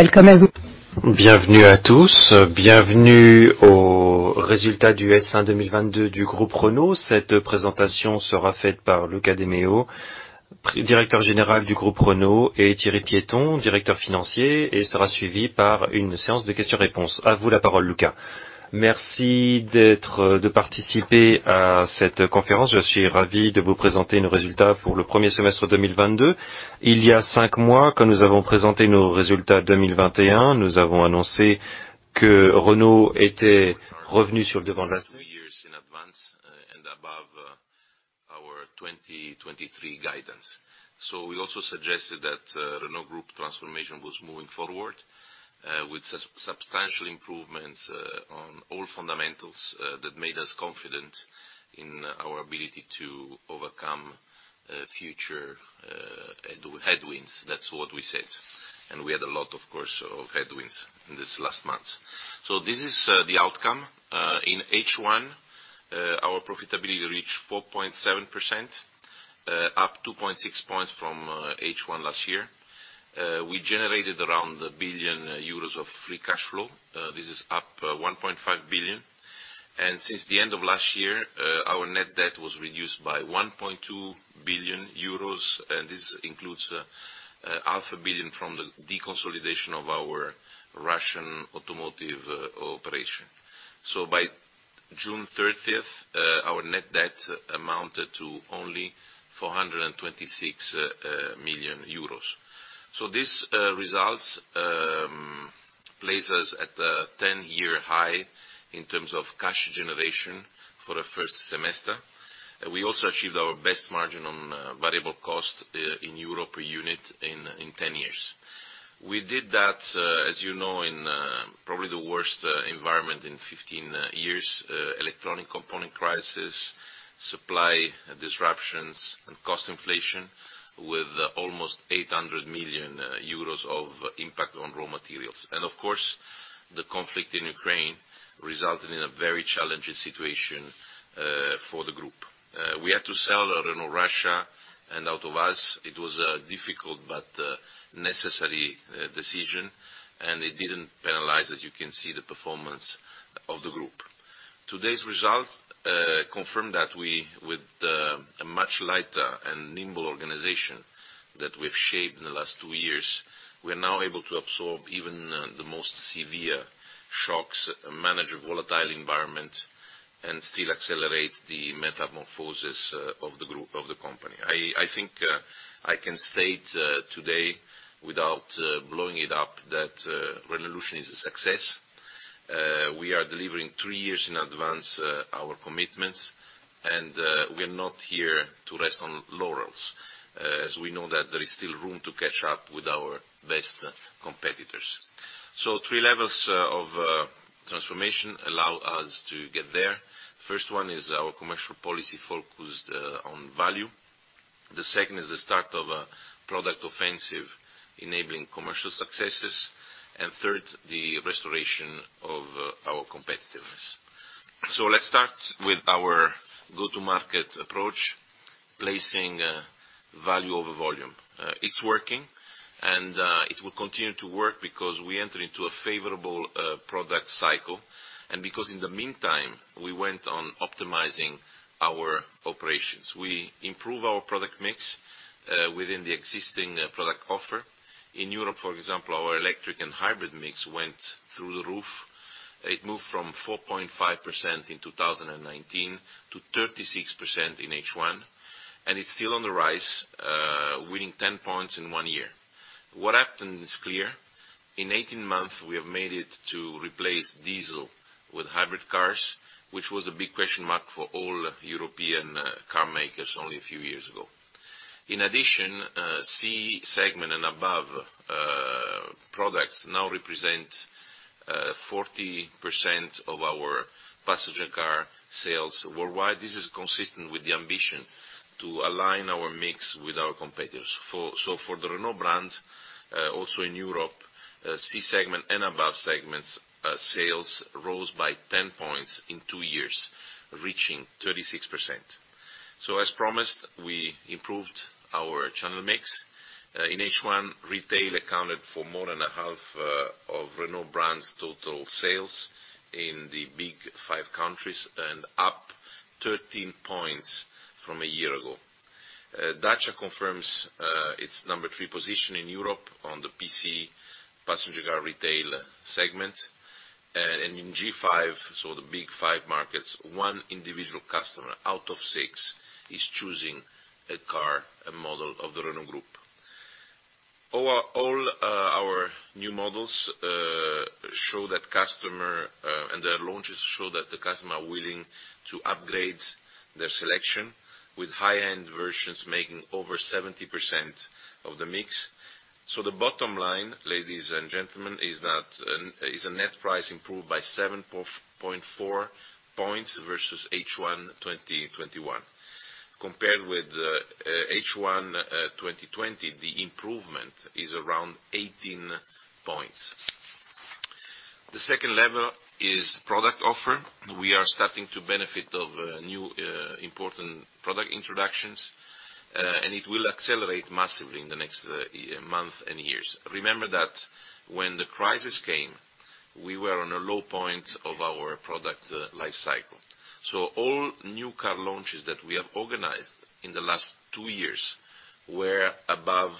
Welcome aboard. Bienvenue à tous. Bienvenue aux résultats du S1 2022 du Groupe Renault. Cette présentation sera faite par Luca de Meo, Directeur Général du Groupe Renault, et Thierry Piéton, Directeur Financier, et sera suivie par une séance de questions-réponses. À vous la parole, Luca. Merci d'être, de participer à cette conférence. Je suis ravi de vous présenter nos résultats pour le premier semestre 2022. Il y a 5 mois, quand nous avons présenté nos résultats 2021, nous avons annoncé que Renault était revenu sur le devant de la scène. Years in advance and above our 2023 guidance. We also suggested that Renault Group transformation was moving forward with substantial improvements on all fundamentals that made us confident in our ability to overcome future headwinds. That's what we said. We had a lot, of course, of headwinds in this last month. This is the outcome. In H1, our profitability reached 4.7%, up 2.6 points from H1 last year. We generated around 1 billion euros of free cash flow. This is up 1.5 billion. Since the end of last year, our net debt was reduced by 1.2 billion euros, and this includes half a billion EUR from the deconsolidation of our Russian automotive operation. By June 30, our net debt amounted to only 426 million euros. This places at the 10-year high in terms of cash generation for the first semester. We also achieved our best margin on variable cost in Europe per unit in 10 years. We did that, as you know, in probably the worst environment in 15 years, electronic component crisis, supply disruptions, and cost inflation, with almost 800 million euros of impact on raw materials. Of course, the conflict in Ukraine resulted in a very challenging situation for the group. We had to sell Renault Russia and AvtoVAZ. It was a difficult but necessary decision, and it didn't penalize, as you can see, the performance of the group. Today's results confirm that we, with a much lighter and nimble organization that we've shaped in the last two years, we are now able to absorb even the most severe shocks, manage a volatile environment, and still accelerate the metamorphosis of the group, of the company. I think I can state today without blowing it up that Renaulution is a success. We are delivering three years in advance our commitments, and we're not here to rest on laurels, as we know that there is still room to catch up with our best competitors. Three levels of transformation allow us to get there. First one is our commercial policy focused on value. The second is the start of a product offensive enabling commercial successes, and third, the restoration of our competitiveness. Let's start with our go-to-market approach, placing value over volume. It's working, and it will continue to work because we enter into a favorable product cycle, and because in the meantime, we went on optimizing our operations. We improve our product mix within the existing product offer. In Europe, for example, our electric and hybrid mix went through the roof. It moved from 4.5% in 2019 to 36% in H1, and it's still on the rise, winning 10 points in one year. What happened is clear. In 18 months, we have made it to replace diesel with hybrid cars, which was a big question mark for all European car makers only a few years ago. In addition, C-segment and above products now represent 40% of our passenger car sales worldwide. This is consistent with the ambition to align our mix with our competitors. For the Renault brand, also in Europe, C-segment and above segments, sales rose by 10 points in two years, reaching 36%. As promised, we improved our channel mix. In H1, retail accounted for more than half of Renault brand's total sales in the big five countries and up 13 points from a year ago. Dacia confirms its number three position in Europe on the PC passenger car retail segment. In G5, so the big five markets, one individual customer out of six is choosing a car, a model of the Renault Group. All our new models show that customers and their launches show that the customers are willing to upgrade their selection with high-end versions making over 70% of the mix. The bottom line, ladies and gentlemen, is that a net price improved by 7.4 points versus H1 2021. Compared with H1 2020, the improvement is around 18 points. The second level is product offer. We are starting to benefit from new important product introductions, and it will accelerate massively in the next month and years. Remember that when the crisis came, we were on a low point of our product life cycle. All new car launches that we have organized in the last two years were above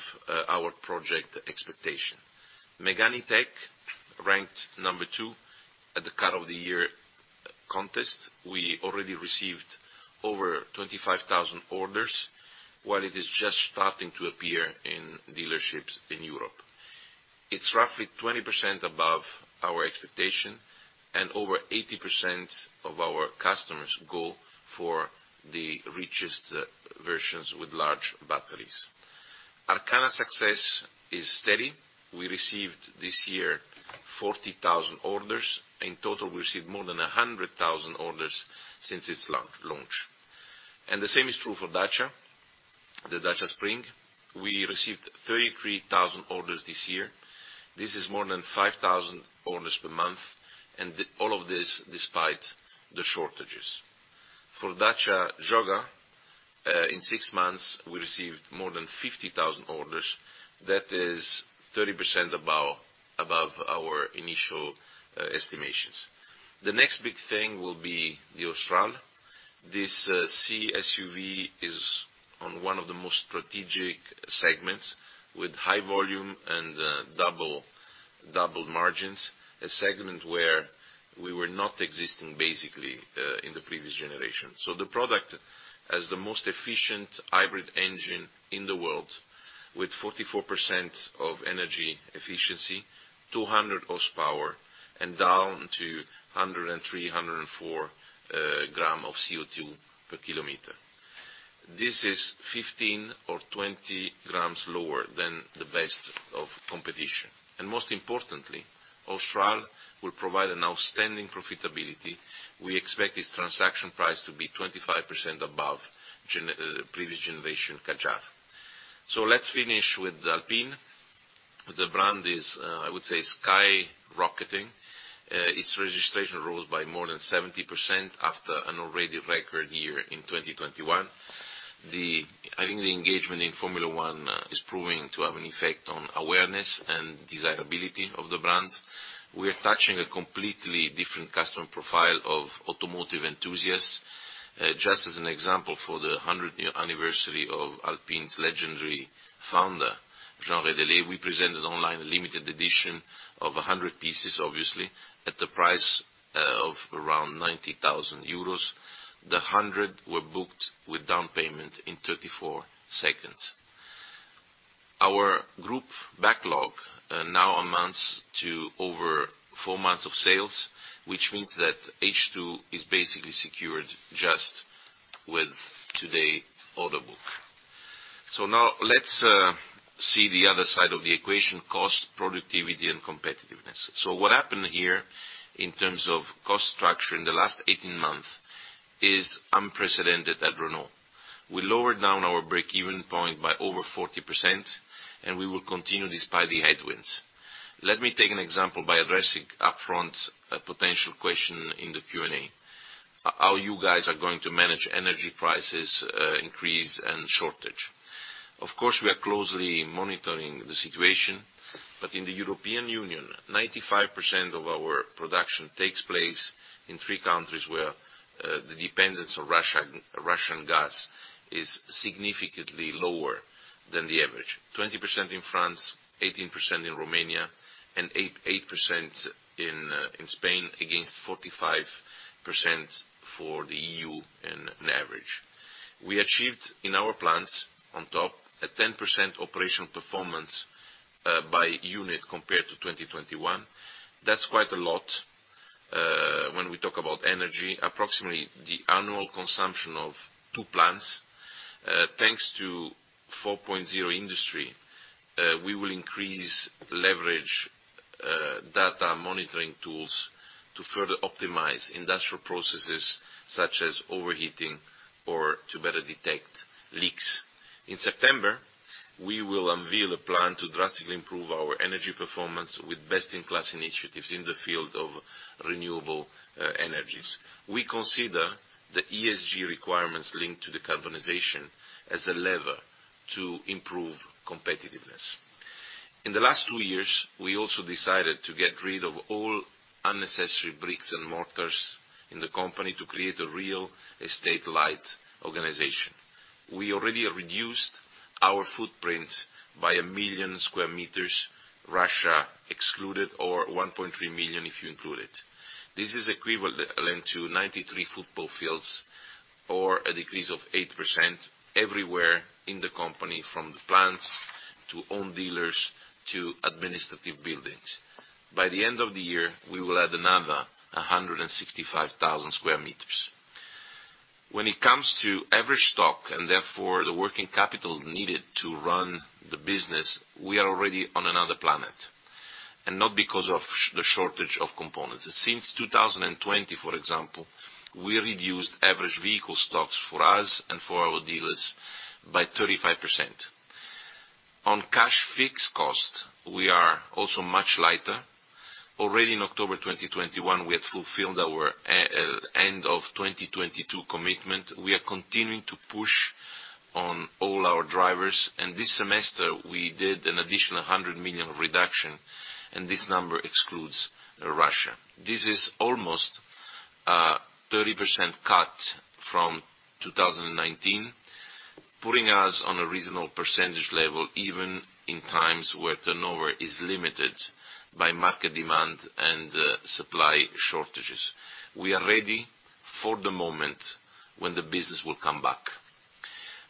our project expectation. Mégane E-Tech ranked number two at the Car of the Year contest. We already received over 25,000 orders, while it is just starting to appear in dealerships in Europe. It's roughly 20% above our expectation, and over 80% of our customers go for the richest versions with large batteries. Arkana's success is steady. We received this year 40,000 orders. In total, we received more than 100,000 orders since its launch. The same is true for Dacia, the Dacia Spring. We received 33,000 orders this year. This is more than 5,000 orders per month, and all of this despite the shortages. For Dacia Jogger, in six months, we received more than 50,000 orders. That is 30% above our initial estimations. The next big thing will be the Austral. This C-SUV is on one of the most strategic segments with high volume and double margins, a segment where we were not existing basically in the previous generation. The product has the most efficient hybrid engine in the world, with 44% of energy efficiency, 200 horsepower, and down to 103-104 g of CO2 per kilometer. This is 15 or 20 grams lower than the best of competition. Most importantly, Austral will provide an outstanding profitability. We expect this transaction price to be 25% above previous generation Kadjar. Let's finish with Alpine. The brand is, I would say, skyrocketing. Its registration rose by more than 70% after an already record year in 2021. I think the engagement in Formula One is proving to have an effect on awareness and desirability of the brands. We're touching a completely different customer profile of automotive enthusiasts. Just as an example, for the 100-year anniversary of Alpine's legendary founder, Jean Rédélé, we presented online a limited edition of 100 pieces, obviously, at the price of around 90,000 euros. The 100 were booked with down payment in 34 seconds. Our group backlog now amounts to over 4 months of sales, which means that H2 is basically secured just with today's order book. Now let's see the other side of the equation, cost, productivity, and competitiveness. What happened here in terms of cost structure in the last 18 months is unprecedented at Renault. We lowered down our break-even point by over 40%, and we will continue despite the headwinds. Let me take an example by addressing upfront a potential question in the Q&A. How you guys are going to manage energy prices increase, and shortage? Of course, we are closely monitoring the situation, but in the European Union, 95% of our production takes place in three countries where the dependence on Russian gas is significantly lower than the average. 20% in France, 18% in Romania, and 8% in Spain, against 45% for the EU on average. We achieved in our plants, on top, a 10% operational performance by unit compared to 2021. That's quite a lot when we talk about energy, approximately the annual consumption of two plants. Thanks to Industry 4.0, we will increase leverage data monitoring tools to further optimize industrial processes such as overheating or to better detect leaks. In September, we will unveil a plan to drastically improve our energy performance with best-in-class initiatives in the field of renewable energies. We consider the ESG requirements linked to the decarbonization as a lever to improve competitiveness. In the last two years, we also decided to get rid of all unnecessary bricks and mortar in the company to create a real estate-light organization. We already reduced our footprint by 1 million square meters, Russia excluded, or 1.3 million, if you include it. This is equivalent to 93 football fields or a decrease of 8% everywhere in the company, from the plants to our own dealers to administrative buildings. By the end of the year, we will add another 165,000 square meters. When it comes to average stock, and therefore the working capital needed to run the business, we are already on another planet, and not because of the shortage of components. Since 2020, for example, we reduced average vehicle stocks for us and for our dealers by 35%. On cash fixed cost, we are also much lighter. Already in October 2021, we had fulfilled our end of 2022 commitment. We are continuing to push on all our drivers, and this semester we did an additional 100 million reduction, and this number excludes Russia. This is almost a 30% cut from 2019, putting us on a reasonable percentage level, even in times where turnover is limited by market demand and supply shortages. We are ready for the moment when the business will come back.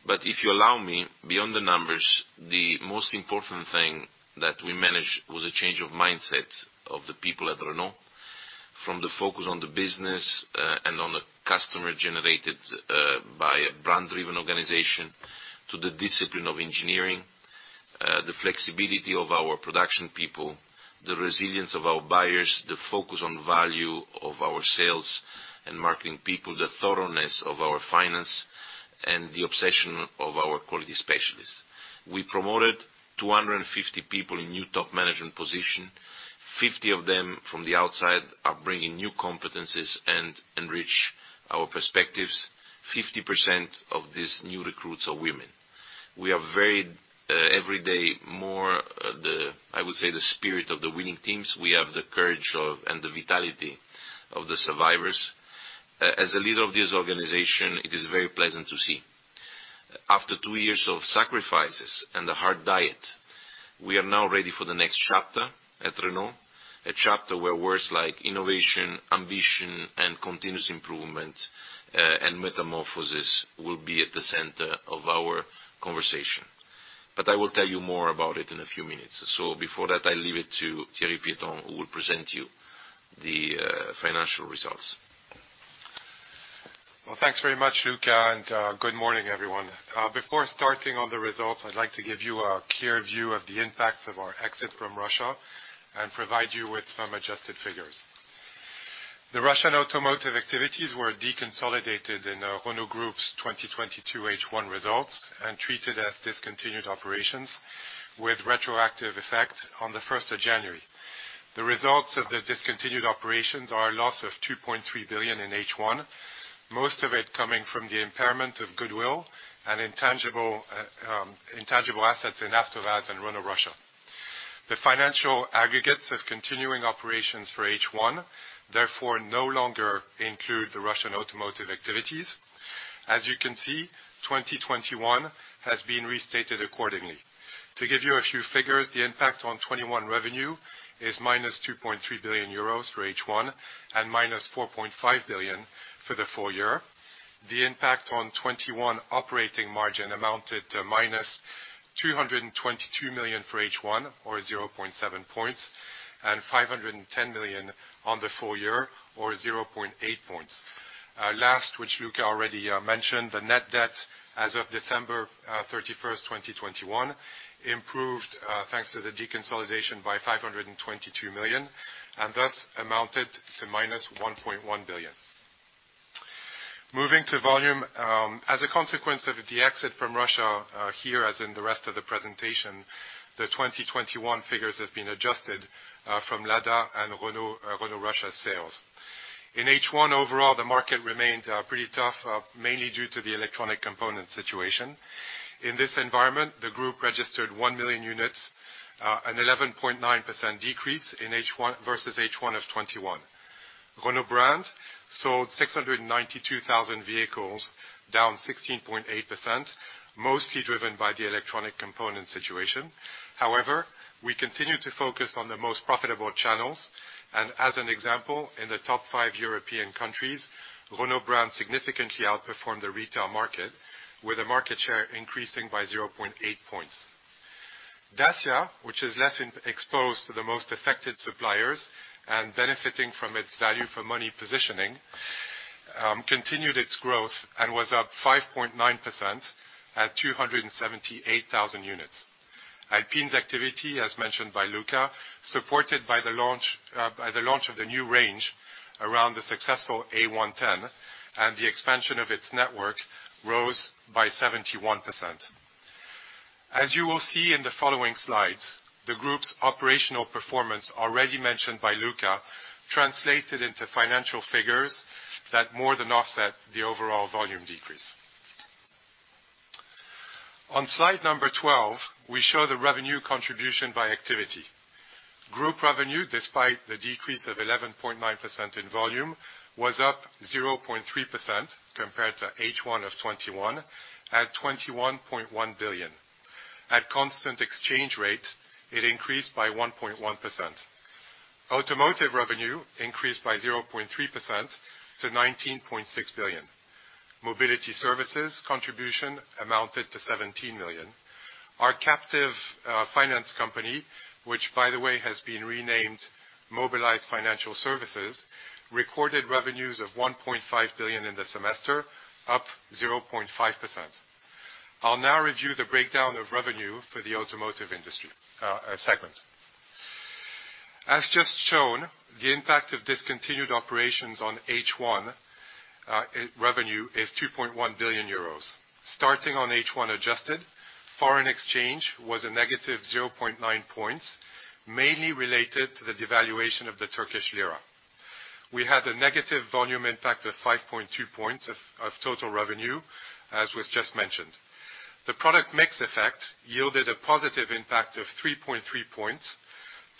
If you allow me, beyond the numbers, the most important thing that we managed was a change of mindset of the people at Renault. From the focus on the business, and on the customer generated, by a brand-driven organization to the discipline of engineering, the flexibility of our production people, the resilience of our buyers, the focus on value of our sales and marketing people, the thoroughness of our finance, and the obsession of our quality specialists. We promoted 250 people in new top management position. 50 of them from the outside are bringing new competencies and enrich our perspectives. 50% of these new recruits are women. We are very, every day more the, I would say, the spirit of the winning teams. We have the courage of, and the vitality of the survivors. As a leader of this organization, it is very pleasant to see. After two years of sacrifices and a hard diet, we are now ready for the next chapter at Renault, a chapter where words like innovation, ambition, and continuous improvement, and metamorphosis will be at the center of our conversation. I will tell you more about it in a few minutes. Before that, I leave it to Thierry Piéton, who will present to you the financial results. Well, thanks very much, Luca, and good morning, everyone. Before starting on the results, I'd like to give you a clear view of the impacts of our exit from Russia and provide you with some adjusted figures. The Russian automotive activities were deconsolidated in Renault Group's 2022 H1 results and treated as discontinued operations with retroactive effect on the first of January. The results of the discontinued operations are a loss of 2.3 billion in H1, most of it coming from the impairment of goodwill and intangible assets in AvtoVAZ and Renault Russia. The financial aggregates of continuing operations for H1, therefore, no longer include the Russian automotive activities. As you can see, 2021 has been restated accordingly. To give you a few figures, the impact on 2021 revenue is -2.3 billion euros for H1 and -4.5 billion for the full year. The impact on 2021 operating margin amounted to -222 million for H1 or -0.7 points, and -510 million on the full year or -0.8 points. Lastly, which Luca already mentioned, the net debt as of December 31, 2021 improved thanks to the deconsolidation by 522 million, and thus amounted to -1.1 billion. Moving to volume, as a consequence of the exit from Russia, here, as in the rest of the presentation, the 2021 figures have been adjusted from Lada and Renault Russia sales. In H1 overall, the market remains pretty tough, mainly due to the electronic component situation. In this environment, the group registered 1 million units, an 11.9% decrease in H1 versus H1 of 2021. Renault Brand sold 692,000 vehicles, down 16.8%, mostly driven by the electronic component situation. However, we continue to focus on the most profitable channels, and as an example, in the top five European countries, Renault Brand significantly outperformed the retail market, with the market share increasing by 0.8 points. Dacia, which is less exposed to the most affected suppliers and benefiting from its value for money positioning, continued its growth and was up 5.9% at 278,000 units. Alpine's activity, as mentioned by Luca, supported by the launch of the new range around the successful A110 and the expansion of its network rose by 71%. As you will see in the following slides, the group's operational performance already mentioned by Luca translated into financial figures that more than offset the overall volume decrease. On slide number 12, we show the revenue contribution by activity. Group revenue, despite the decrease of 11.9% in volume, was up 0.3% compared to H1 of 2021 at 21.1 billion. At constant exchange rate, it increased by 1.1%. Automotive revenue increased by 0.3% to 19.6 billion. Mobility services contribution amounted to 17 million. Our captive finance company, which, by the way, has been renamed Mobilize Financial Services, recorded revenues of 1.5 billion in the semester, up 0.5%. I'll now review the breakdown of revenue for the automotive industry segment. As just shown, the impact of discontinued operations on H1 revenue is 2.1 billion euros. Starting on H1 adjusted, foreign exchange was a negative 0.9 points, mainly related to the devaluation of the Turkish lira. We had a negative volume impact of 5.2 points of total revenue, as was just mentioned. The product mix effect yielded a positive impact of 3.3 points,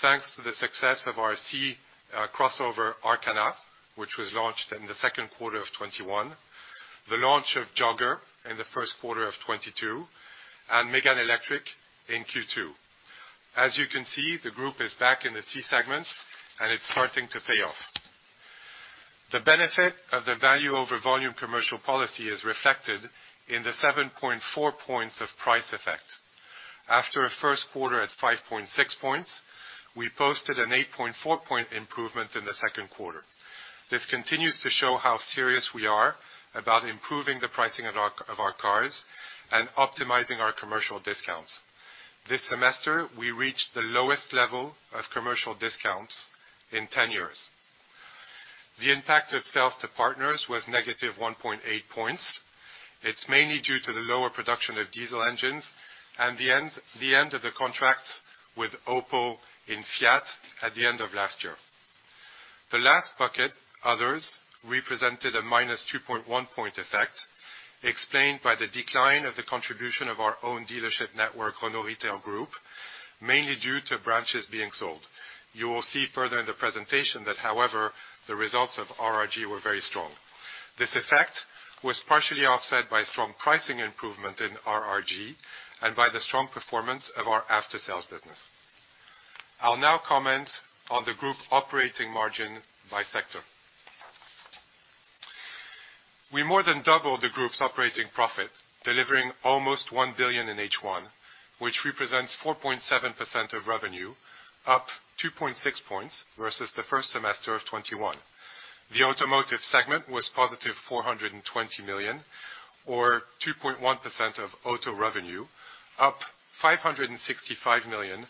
thanks to the success of our C crossover Arkana, which was launched in the second quarter of 2021. The launch of Jogger in the first quarter of 2022, and Mégane Electric in Q2. As you can see, the group is back in the C-segment and it's starting to pay off. The benefit of the value over volume commercial policy is reflected in the 7.4 points of price effect. After a first quarter at 5.6 points, we posted an 8.4-point improvement in the second quarter. This continues to show how serious we are about improving the pricing of our cars and optimizing our commercial discounts. This semester, we reached the lowest level of commercial discounts in ten years. The impact of sales to partners was negative 1.8 points. It's mainly due to the lower production of diesel engines and the end of the contracts with Opel and Fiat at the end of last year. The last bucket, others, represented a -2.1-point effect, explained by the decline of the contribution of our own dealership network, Renault Retail Group, mainly due to branches being sold. You will see further in the presentation that, however, the results of RRG were very strong. This effect was partially offset by strong pricing improvement in RRG and by the strong performance of our after-sales business. I'll now comment on the group operating margin by sector. We more than doubled the group's operating profit, delivering almost 1 billion in H1, which represents 4.7% of revenue, up 2.6 points versus the first semester of 2021. The automotive segment was positive 420 million or 2.1% of auto revenue, up 565 million,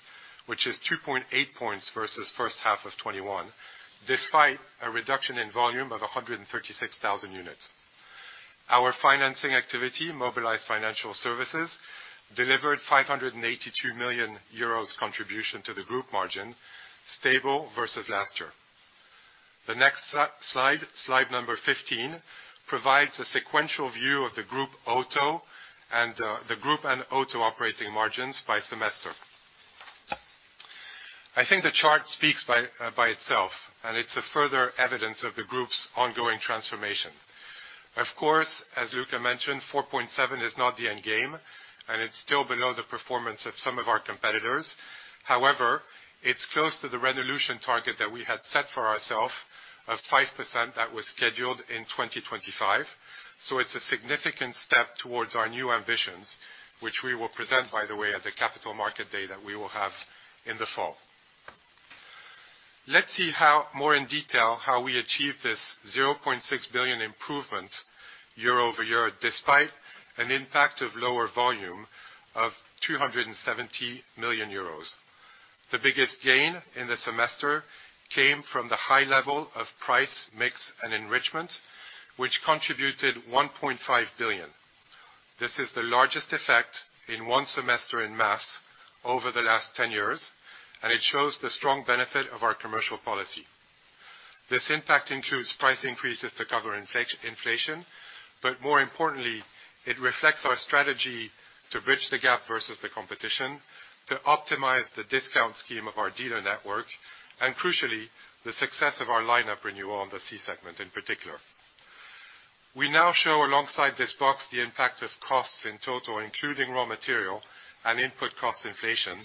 which is 2.8 points versus first half of 2021, despite a reduction in volume of 136,000 units. Our financing activity, Mobilize Financial Services, delivered 582 million euros contribution to the group margin, stable versus last year. The next slide number 15, provides a sequential view of the group auto and the group auto operating margins by semester. I think the chart speaks for itself, and it's a further evidence of the group's ongoing transformation. Of course, as Luca mentioned, 4.7 is not the end game, and it's still below the performance of some of our competitors. However, it's close to the resolution target that we had set for ourselves of 5% that was scheduled in 2025. It's a significant step towards our new ambitions, which we will present, by the way, at the capital market day that we will have in the fall. Let's see, more in detail, how we achieve this 0.6 billion improvement year-over-year, despite an impact of lower volume of 270 million euros. The biggest gain in the semester came from the high level of price mix and enrichment, which contributed 1.5 billion. This is the largest effect in one semester in mass over the last 10 years, and it shows the strong benefit of our commercial policy. This impact includes price increases to cover inflation, but more importantly, it reflects our strategy to bridge the gap versus the competition, to optimize the discount scheme of our dealer network, and crucially, the success of our lineup renewal on the C-segment in particular. We now show alongside this box the impact of costs in total, including raw material and input cost inflation,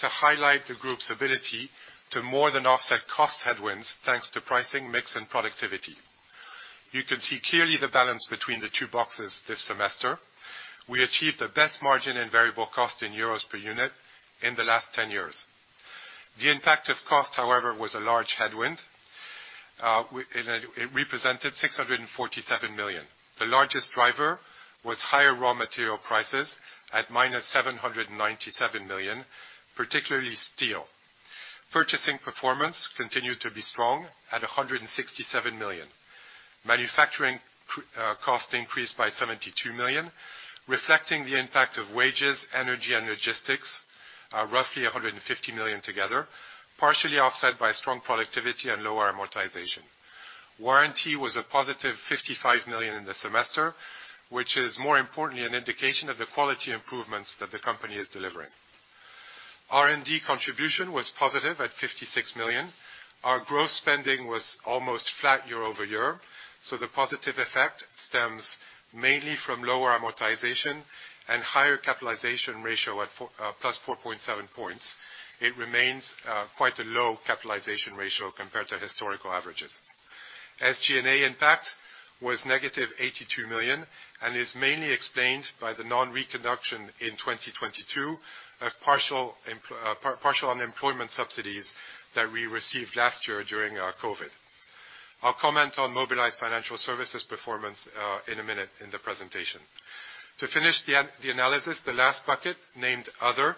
to highlight the group's ability to more than offset cost headwinds, thanks to pricing, mix, and productivity. You can see clearly the balance between the two boxes this semester. We achieved the best margin in variable cost in euros per unit in the last ten years. The impact of cost, however, was a large headwind. It represented 647 million. The largest driver was higher raw material prices at -797 million, particularly steel. Purchasing performance continued to be strong at 167 million. Manufacturing cost increased by 72 million, reflecting the impact of wages, energy, and logistics, at roughly 150 million together, partially offset by strong productivity and lower amortization. Warranty was a positive 55 million in the semester, which is more importantly an indication of the quality improvements that the company is delivering. R&D contribution was positive at 56 million. Our growth spending was almost flat year-over-year, so the positive effect stems mainly from lower amortization and higher capitalization ratio at four plus 4.7 points. It remains quite a low capitalization ratio compared to historical averages. SG&A impact was negative 82 million and is mainly explained by the non-reconduction in 2022 of partial employ... Partial unemployment subsidies that we received last year during COVID. I'll comment on Mobilize Financial Services performance in a minute in the presentation. To finish the analysis, the last bucket, named Other,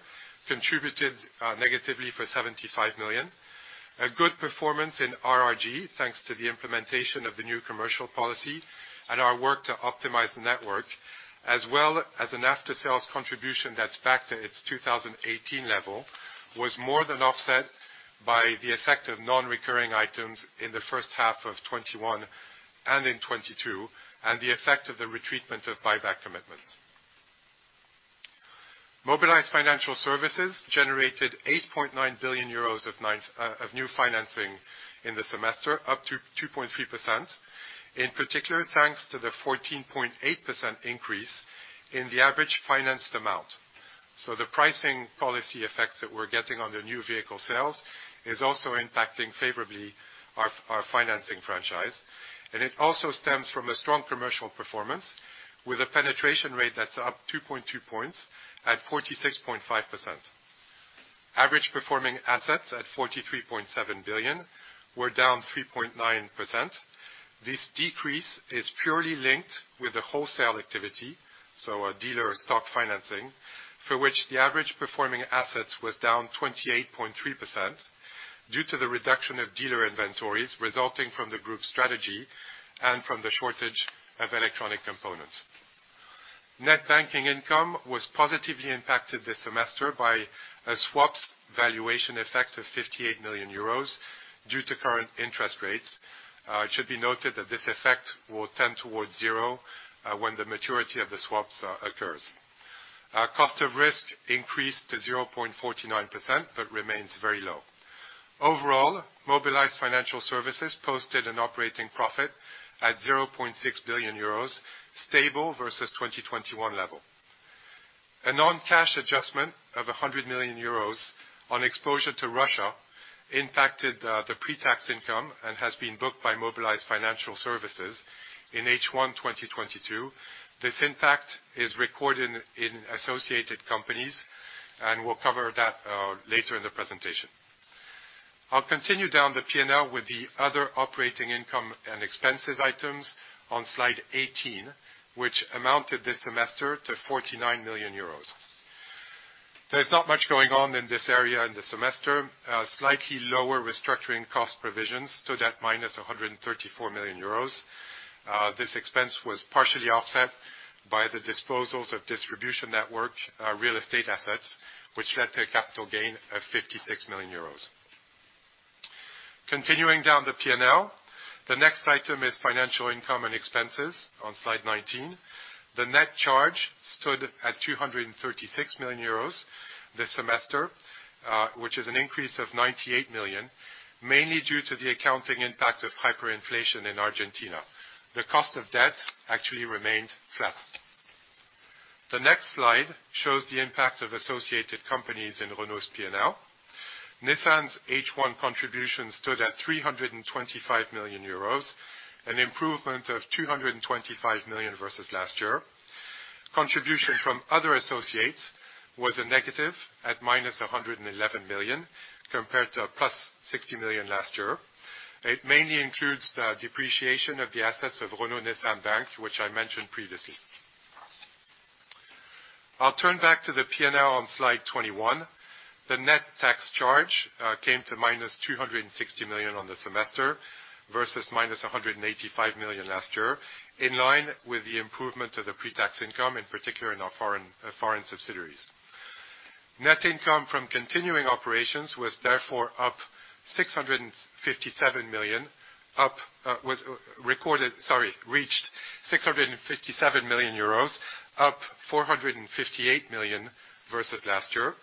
contributed negatively for 75 million. A good performance in RRG, thanks to the implementation of the new commercial policy and our work to optimize the network, as well as an after-sales contribution that's back to its 2018 level, was more than offset by the effect of non-recurring items in the first half of 2021 and in 2022, and the effect of the retreatment of buyback commitments. Mobilize Financial Services generated 8.9 billion euros of new financing in the semester, up 2.3%, in particular, thanks to the 14.8% increase in the average financed amount. The pricing policy effects that we're getting on the new vehicle sales is also impacting favorably our financing franchise, and it also stems from a strong commercial performance with a penetration rate that's up 2.2 points at 46.5%. Average performing assets at 43.7 billion were down 3.9%. This decrease is purely linked with the wholesale activity, so our dealer stock financing, for which the average performing assets was down 28.3% due to the reduction of dealer inventories resulting from the group strategy and from the shortage of electronic components. Net banking income was positively impacted this semester by a swaps valuation effect of 58 million euros due to current interest rates. It should be noted that this effect will tend towards zero when the maturity of the swaps occurs. Our cost of risk increased to 0.49%, but remains very low. Overall, Mobilize Financial Services posted an operating profit at 0.6 billion euros, stable versus 2021 level. A non-cash adjustment of 100 million euros on exposure to Russia impacted the pre-tax income and has been booked by Mobilize Financial Services in H1 2022. This impact is recorded in associated companies, and we'll cover that later in the presentation. I'll continue down the P&L with the other operating income and expenses items on slide 18, which amounted this semester to 49 million euros. There's not much going on in this area in the semester. Slightly lower restructuring cost provisions stood at -134 million euros. This expense was partially offset by the disposals of distribution network, real estate assets, which led to a capital gain of 56 million euros. Continuing down the P&L, the next item is financial income and expenses on slide 19. The net charge stood at 236 million euros this semester, which is an increase of 98 million, mainly due to the accounting impact of hyperinflation in Argentina. The cost of debt actually remained flat. The next slide shows the impact of associated companies in Renault's P&L. Nissan's H1 contribution stood at 325 million euros, an improvement of 225 million versus last year. Contribution from other associates was a negative at minus 111 million, compared to a plus 60 million last year. It mainly includes the depreciation of the assets of Renault Nissan Bank, which I mentioned previously. I'll turn back to the P&L on slide 21. The net tax charge came to -260 million on the semester versus -185 million last year, in line with the improvement of the pre-tax income, in particular in our foreign subsidiaries. Net income from continuing operations therefore reached 657 million euros, up 458 million versus last year.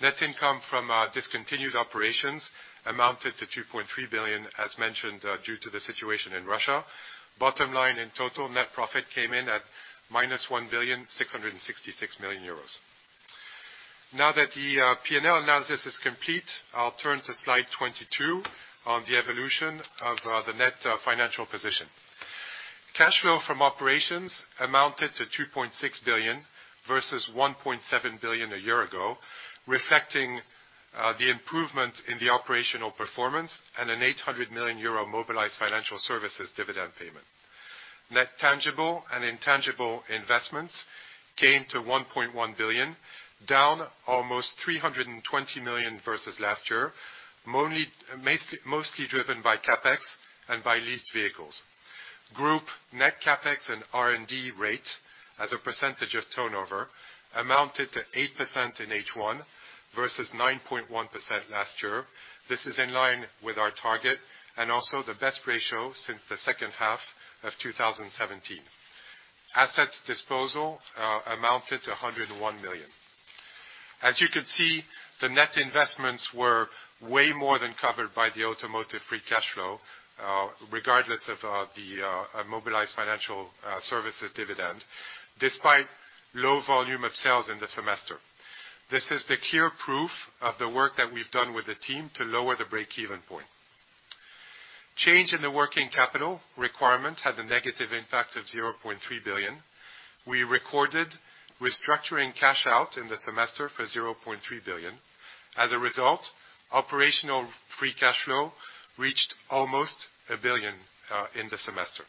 Net income from discontinued operations amounted to 2.3 billion, as mentioned, due to the situation in Russia. Bottom line, total net profit came in at -1.666 billion euros. Now that the P&L analysis is complete, I'll turn to slide 22 on the evolution of the net financial position. Cash flow from operations amounted to 2.6 billion versus 1.7 billion a year ago, reflecting the improvement in the operational performance and an 800 million euro Mobilize Financial Services dividend payment. Net tangible and intangible investments came to 1.1 billion, down almost 320 million versus last year, mostly driven by CapEx and by leased vehicles. Group net CapEx and R&D rate as a percentage of turnover amounted to 8% in H1 versus 9.1% last year. This is in line with our target and also the best ratio since the second half of 2017. Assets disposal amounted to 101 million. As you can see, the net investments were way more than covered by the automotive free cash flow, regardless of the Mobilize Financial Services dividend, despite low volume of sales in the semester. This is the clear proof of the work that we've done with the team to lower the break-even point. Change in the working capital requirement had a negative impact of 0.3 billion. We recorded restructuring cash out in the semester for 0.3 billion. As a result, operational free cash flow reached almost 1 billion in the semester.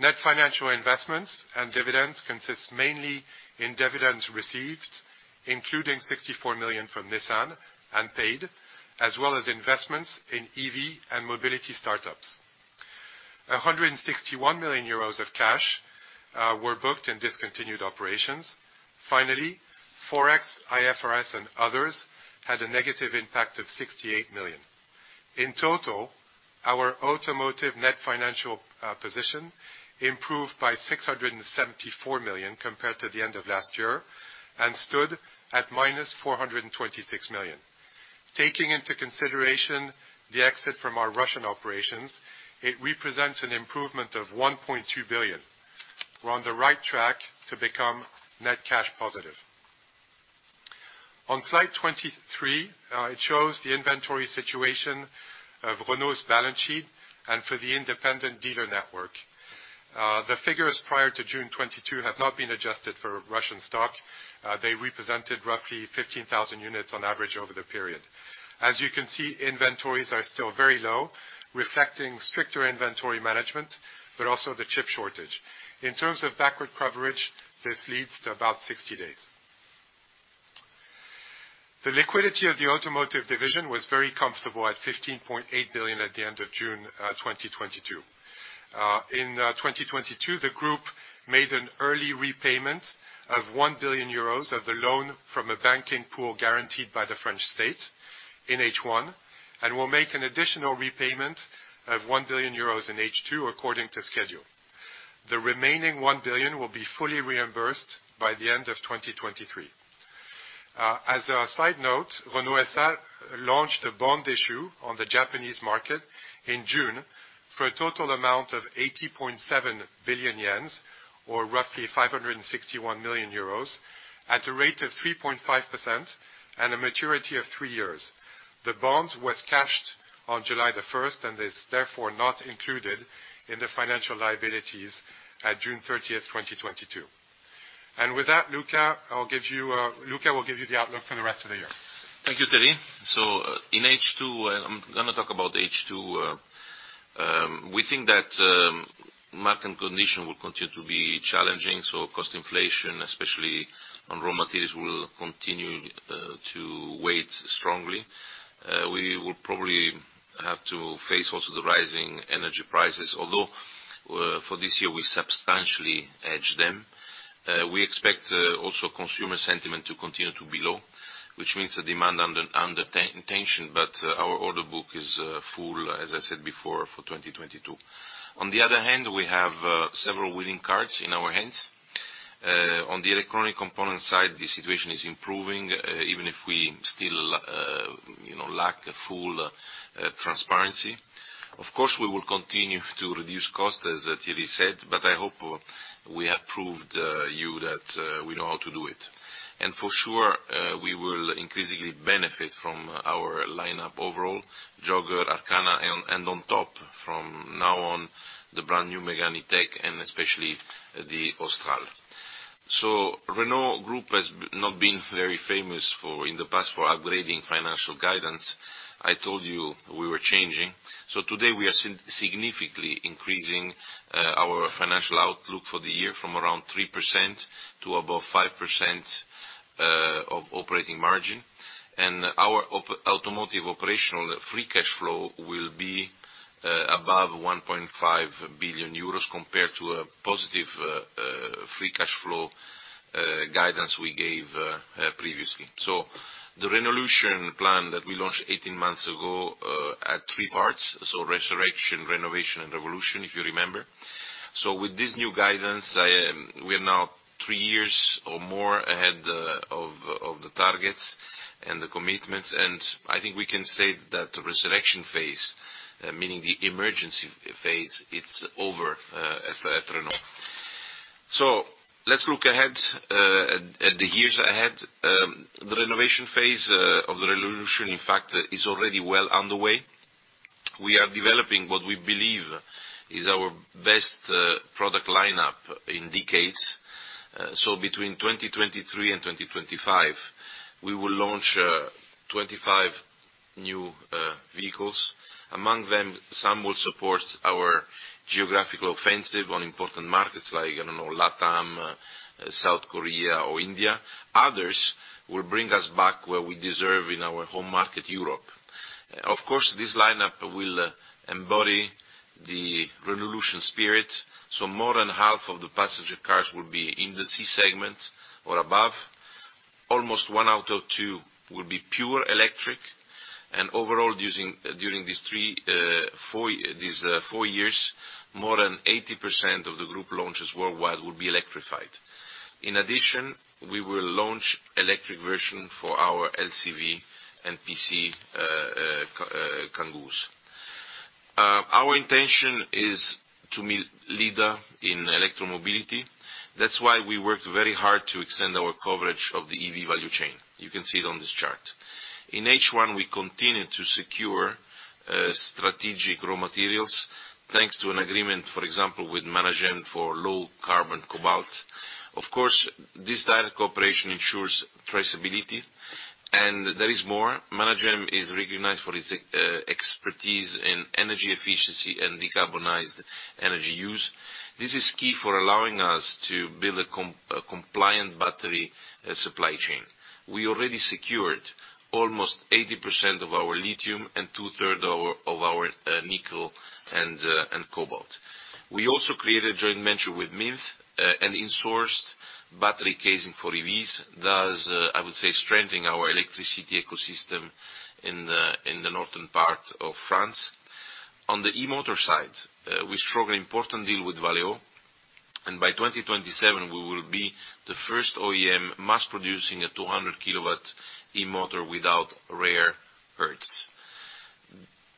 Net financial investments and dividends consists mainly in dividends received, including 64 million from Nissan unpaid, as well as investments in EV and mobility startups. 161 million euros of cash were booked in discontinued operations. Finally, Forex, IFRS, and others had a negative impact of 68 million. In total, our automotive net financial position improved by 674 million compared to the end of last year and stood at -426 million. Taking into consideration the exit from our Russian operations, it represents an improvement of 1.2 billion. We're on the right track to become net cash positive. On slide 23, it shows the inventory situation of Renault's balance sheet and for the independent dealer network. The figures prior to June 2022 have not been adjusted for Russian stock. They represented roughly 15,000 units on average over the period. As you can see, inventories are still very low, reflecting stricter inventory management, but also the chip shortage. In terms of backward coverage, this leads to about 60 days. The liquidity of the automotive division was very comfortable at 15.8 billion at the end of June 2022. In 2022, the group made an early repayment of 1 billion euros of the loan from a banking pool guaranteed by the French state in H1, and will make an additional repayment of 1 billion euros in H2 according to schedule. The remaining 1 billion will be fully reimbursed by the end of 2023. As a side note, Renault SA launched a bond issue on the Japanese market in June for a total amount of 80.7 billion yen, or roughly 561 million euros at a rate of 3.5% and a maturity of 3 years. The bond was cashed on July the first, and is therefore not included in the financial liabilities at June thirtieth, 2022. With that, Luca will give you the outlook for the rest of the year. Thank you, Thierry. In H2, I'm gonna talk about H2. We think that market condition will continue to be challenging, so cost inflation, especially on raw materials, will continue to weigh strongly. We will probably have to face also the rising energy prices, although for this year, we substantially hedged them. We expect also consumer sentiment to continue to be low, which means the demand under tension, but our order book is full, as I said before, for 2022. On the other hand, we have several winning cards in our hands. On the electronic component side, the situation is improving, even if we still you know lack a full transparency. Of course, we will continue to reduce costs, as Thierry said, but I hope we have proved you that we know how to do it. For sure, we will increasingly benefit from our lineup overall, Jogger, Arkana, and on top from now on, the brand new Mégane E-Tech, and especially the Austral. Renault Group has not been very famous for, in the past, for upgrading financial guidance. I told you we were changing. Today, we are significantly increasing our financial outlook for the year from around 3% to above 5% of operating margin. Our automotive operational free cash flow will be above 1.5 billion euros compared to a positive free cash flow guidance we gave previously. The Renaulution plan that we launched 18 months ago had three parts, resurrection, renovation, and revolution, if you remember. With this new guidance, we are now 3 years or more ahead of the targets and the commitments, and I think we can say that the resurrection phase, meaning the emergency phase, it's over at Renault. Let's look ahead at the years ahead. The renovation phase of the Renaulution, in fact, is already well underway. We are developing what we believe is our best product lineup in decades. So between 2023 and 2025, we will launch 25 new vehicles. Among them, some will support our geographical offensive on important markets like, I don't know, LatAm, South Korea, or India. Others will bring us back where we deserve in our home market, Europe. Of course, this lineup will embody the Renaulution spirit, so more than half of the passenger cars will be in the C-segment or above. Almost one out of two will be pure electric, and overall, during these four years, more than 80% of the group launches worldwide will be electrified. In addition, we will launch electric version for our LCV and PC, Kangoo. Our intention is to be leader in electromobility. That's why we worked very hard to extend our coverage of the EV value chain. You can see it on this chart. In H1, we continued to secure strategic raw materials, thanks to an agreement, for example, with Managem for low carbon cobalt. Of course, this direct cooperation ensures traceability, and there is more. Managem is recognized for its expertise in energy efficiency and decarbonized energy use. This is key for allowing us to build a compliant battery supply chain. We already secured almost 80% of our lithium and two-thirds of our nickel and cobalt. We also created a joint venture with Minth, and insourced battery casing for EVs, thus, I would say, strengthening our electric ecosystem in the northern part of France. On the e-motor side, we struck an important deal with Valeo, and by 2027, we will be the first OEM mass producing a 200 kW e-motor without rare earths.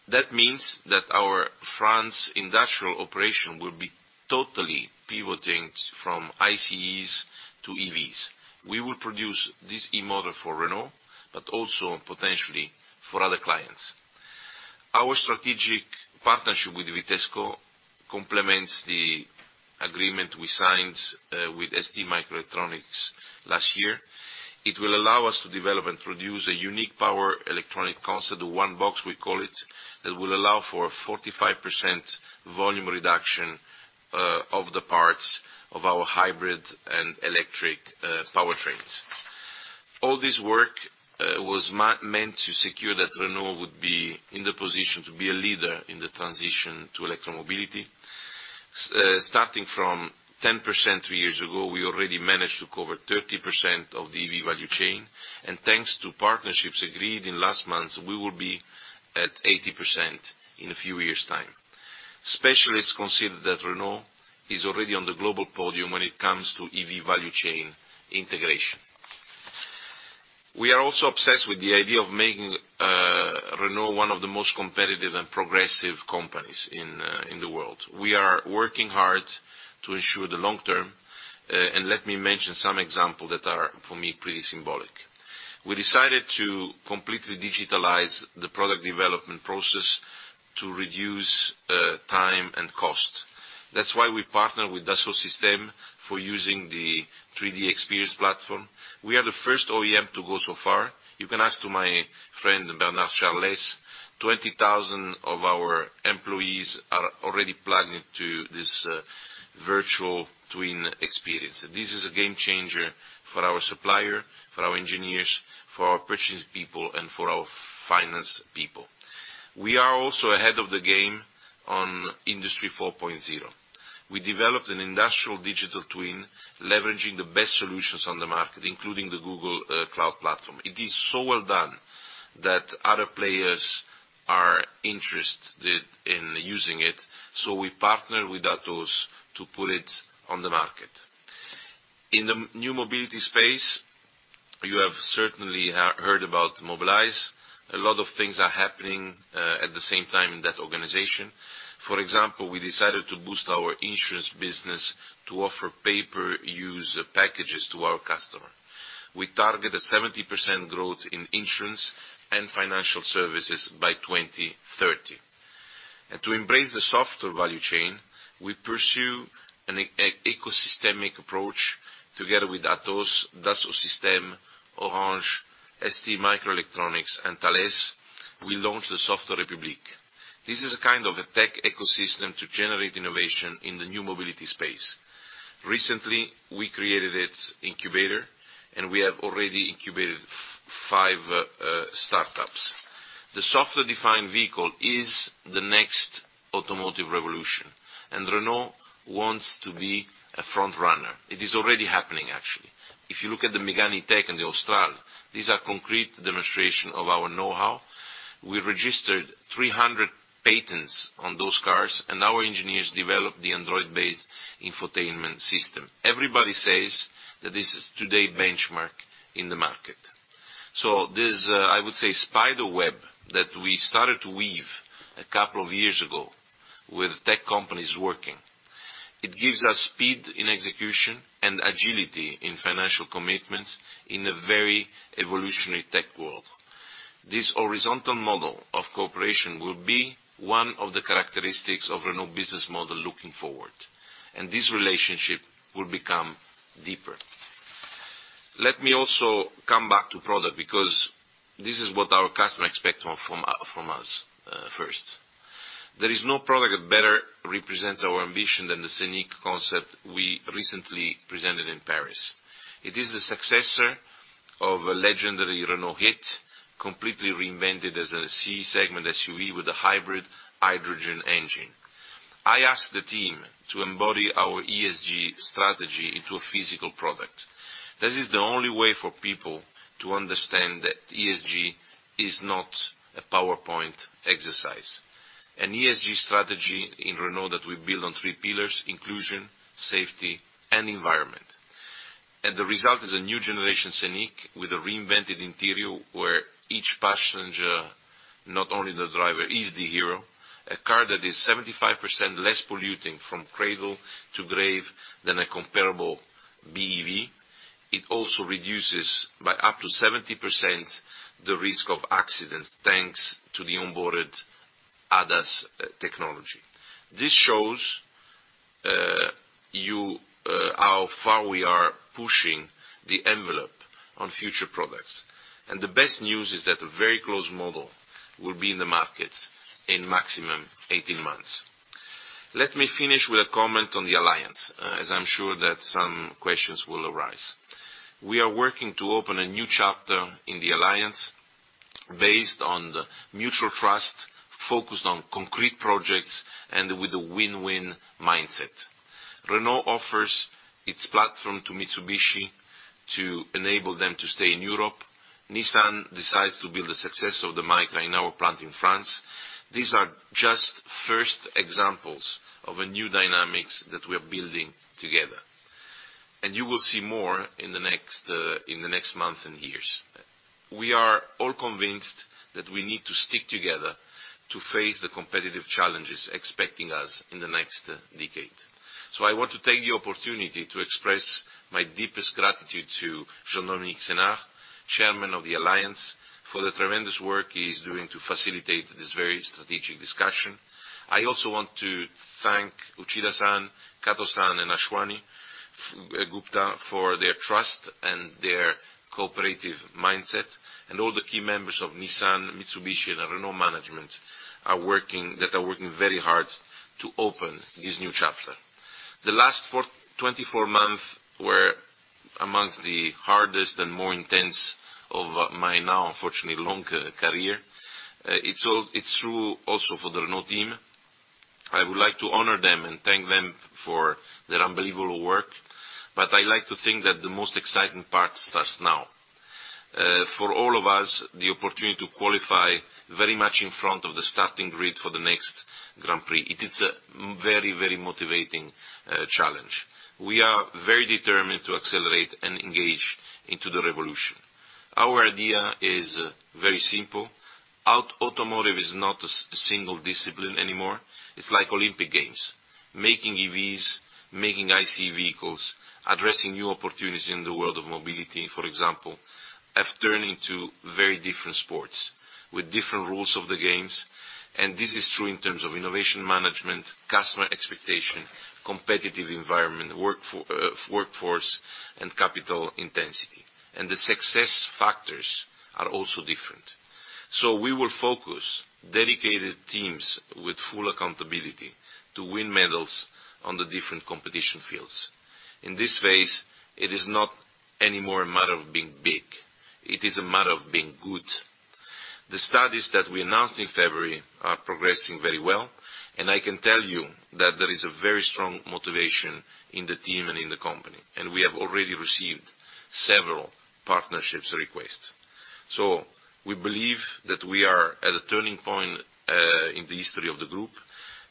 That means that our France industrial operation will be totally pivoting from ICEs to EVs. We will produce this e-motor for Renault, but also potentially for other clients. Our strategic partnership with Vitesco complements the agreement we signed with STMicroelectronics last year. It will allow us to develop and produce a unique power electronic concept, the One Box we call it, that will allow for a 45% volume reduction of the parts of our hybrid and electric powertrains. All this work was meant to secure that Renault would be in the position to be a leader in the transition to electromobility. Starting from 10% three years ago, we already managed to cover 30% of the EV value chain, and thanks to partnerships agreed in last months, we will be at 80% in a few years' time. Specialists consider that Renault is already on the global podium when it comes to EV value chain integration. We are also obsessed with the idea of making Renault one of the most competitive and progressive companies in the world. We are working hard to ensure the long term, and let me mention some example that are, for me, pretty symbolic. We decided to completely digitalize the product development process to reduce time and cost. That's why we partner with Dassault Systèmes for using the 3DEXPERIENCE platform. We are the first OEM to go so far. You can ask to my friend Bernard Charlès, nearly 20,000 of our employees are already plugged into this virtual twin experience. This is a game changer for our supplier, for our engineers, for our purchasing people, and for our finance people. We are also ahead of the game on Industry 4.0. We developed an industrial digital twin leveraging the best solutions on the market, including the Google Cloud platform. It is so well done that other players are interested in using it, so we partner with Atos to put it on the market. In the new mobility space, you have certainly heard about Mobilize. A lot of things are happening at the same time in that organization. For example, we decided to boost our insurance business to offer pay-per-use packages to our customer. We target a 70% growth in insurance and financial services by 2030. To embrace the software value chain, we pursue an ecosystemic approach together with Atos, Dassault Systèmes, Orange, STMicroelectronics, and Thales. We launched the Software République. This is a kind of a tech ecosystem to generate innovation in the new mobility space. Recently, we created its incubator, and we have already incubated five startups. The software-defined vehicle is the next automotive revolution, and Renault wants to be a front runner. It is already happening, actually. If you look at the Mégane E-Tech and the Austral, these are concrete demonstration of our know-how. We registered 300 patents on those cars, and our engineers developed the Android-based infotainment system. Everybody says that this is today's benchmark in the market. This, I would say, spider web that we started to weave a couple of years ago with tech companies working, it gives us speed in execution and agility in financial commitments in a very evolutionary tech world. This horizontal model of cooperation will be one of the characteristics of Renault's business model looking forward, and this relationship will become deeper. Let me also come back to product because this is what our customer expect from us, first. There is no product that better represents our ambition than the Scénic concept we recently presented in Paris. It is the successor of a legendary Renault hit, completely reinvented as a C-segment SUV with a hybrid hydrogen engine. I asked the team to embody our ESG strategy into a physical product. This is the only way for people to understand that ESG is not a PowerPoint exercise. An ESG strategy in Renault that we build on three pillars, inclusion, safety, and environment. The result is a new generation Scénic with a reinvented interior where each passenger, not only the driver, is the hero. A car that is 75% less polluting from cradle to grave than a comparable BEV. It also reduces by up to 70% the risk of accidents, thanks to the onboarded ADAS technology. This shows how far we are pushing the envelope on future products. The best news is that a very close model will be in the markets in maximum 18 months. Let me finish with a comment on the alliance, as I'm sure that some questions will arise. We are working to open a new chapter in the alliance based on the mutual trust, focused on concrete projects, and with a win-win mindset. Renault offers its platform to Mitsubishi to enable them to stay in Europe. Nissan decides to build the success of the Micra in our plant in France. These are just first examples of a new dynamics that we are building together. You will see more in the next month and years. We are all convinced that we need to stick together to face the competitive challenges expecting us in the next decade. I want to take the opportunity to express my deepest gratitude to Jean-Dominique Senard, Chairman of the Alliance, for the tremendous work he is doing to facilitate this very strategic discussion. I also want to thank Uchida-san, Kato-san, and Ashwani Gupta for their trust and their cooperative mindset. All the key members of Nissan, Mitsubishi, and Renault management are working very hard to open this new chapter. The last 24 months were among the hardest and more intense of my now unfortunately long career. It's true also for the Renault team. I would like to honor them and thank them for their unbelievable work, but I like to think that the most exciting part starts now. For all of us, the opportunity to qualify very much in front of the starting grid for the next Grand Prix, it is a very, very motivating challenge. We are very determined to accelerate and engage into the Renaulution. Our idea is very simple. Automotive is not a single discipline anymore. It's like Olympic Games. Making EVs, making ICE vehicles, addressing new opportunities in the world of mobility, for example, have turned into very different sports with different rules of the games. This is true in terms of innovation management, customer expectation, competitive environment, workforce, and capital intensity. The success factors are also different. We will focus dedicated teams with full accountability to win medals on the different competition fields. In this phase, it is not any more a matter of being big. It is a matter of being good. The studies that we announced in February are progressing very well, and I can tell you that there is a very strong motivation in the team and in the company, and we have already received several partnerships requests. We believe that we are at a turning point in the history of the group,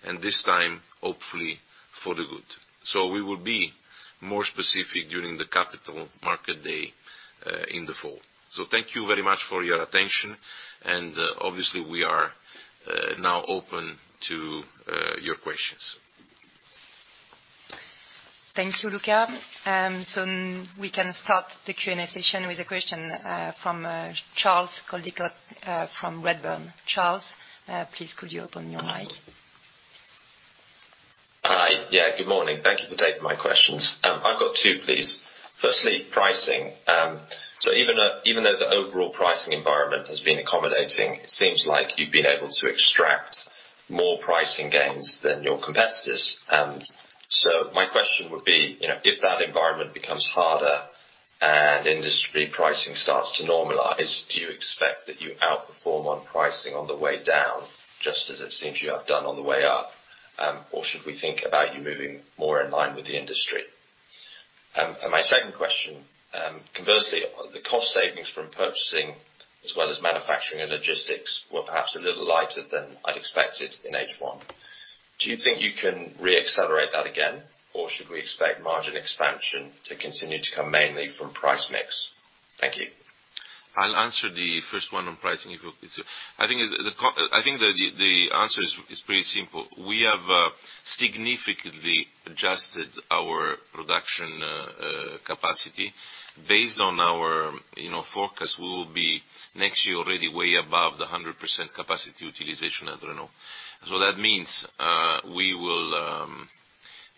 and this time, hopefully, for the good. We will be more specific during the capital market day in the fall. Thank you very much for your attention, and obviously, we are now open to your questions. Thank you, Luca. We can start the Q&A session with a question from Charles Coldicott from Redburn. Charles, please could you open your mic? Hi. Yeah, good morning. Thank you for taking my questions. I've got two, please. Firstly, pricing. Even though the overall pricing environment has been accommodating, it seems like you've been able to extract more pricing gains than your competitors. My question would be, you know, if that environment becomes harder and industry pricing starts to normalize, do you expect that you outperform on pricing on the way down, just as it seems you have done on the way up? Should we think about you moving more in line with the industry? My second question, conversely, the cost savings from purchasing as well as manufacturing and logistics were perhaps a little lighter than I'd expected in H1. Do you think you can re-accelerate that again, or should we expect margin expansion to continue to come mainly from price mix? Thank you. I'll answer the first one on pricing if you'll please wait. I think the answer is pretty simple. We have significantly adjusted our production capacity. Based on our, you know, forecast, we will be next year already way above 100% capacity utilization at Renault. That means, we will,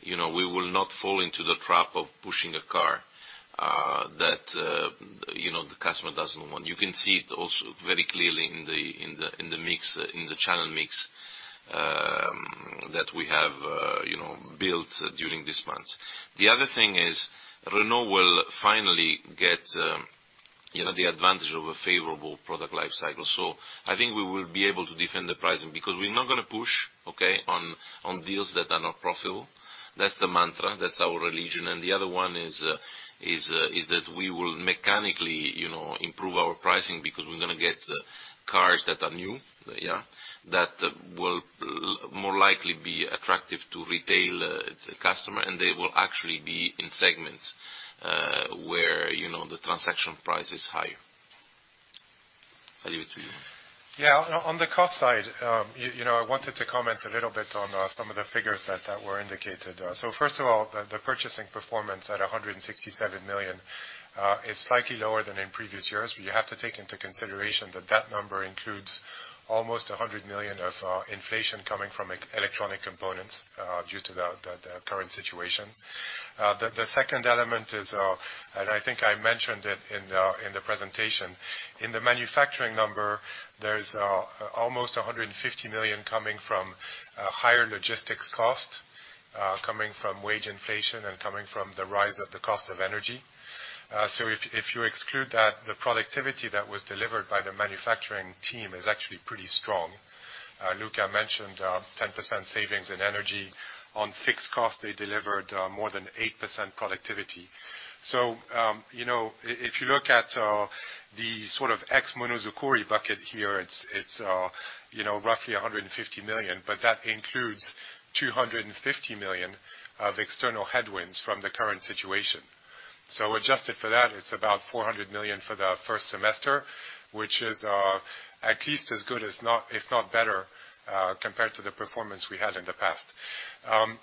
you know, not fall into the trap of pushing a car that, you know, the customer doesn't want. You can see it also very clearly in the mix, in the channel mix that we have, you know, built during this month. The other thing is Renault will finally get, you know, the advantage of a favorable product life cycle. I think we will be able to defend the pricing because we're not gonna push, okay, on deals that are not profitable. That's the mantra, that's our religion. The other one is that we will mechanically, you know, improve our pricing because we're gonna get cars that are new, yeah, that will more likely be attractive to retail customer, and they will actually be in segments where, you know, the transaction price is higher. I'll leave it to you. On the cost side, you know, I wanted to comment a little bit on some of the figures that were indicated. First of all, the purchasing performance at 167 million is slightly lower than in previous years. You have to take into consideration that that number includes almost 100 million of inflation coming from electronic components due to the current situation. The second element is, and I think I mentioned it in the presentation, in the manufacturing number, there's almost 150 million coming from higher logistics costs, coming from wage inflation and coming from the rise of the cost of energy. If you exclude that, the productivity that was delivered by the manufacturing team is actually pretty strong. Luca mentioned 10% savings in energy. On fixed costs, they delivered more than 8% productivity. You know, if you look at the sort of ex monozukuri bucket here, it's you know, roughly 150 million, but that includes 250 million of external headwinds from the current situation. Adjusted for that, it's about 400 million for the first semester, which is at least as good, if not better, compared to the performance we had in the past.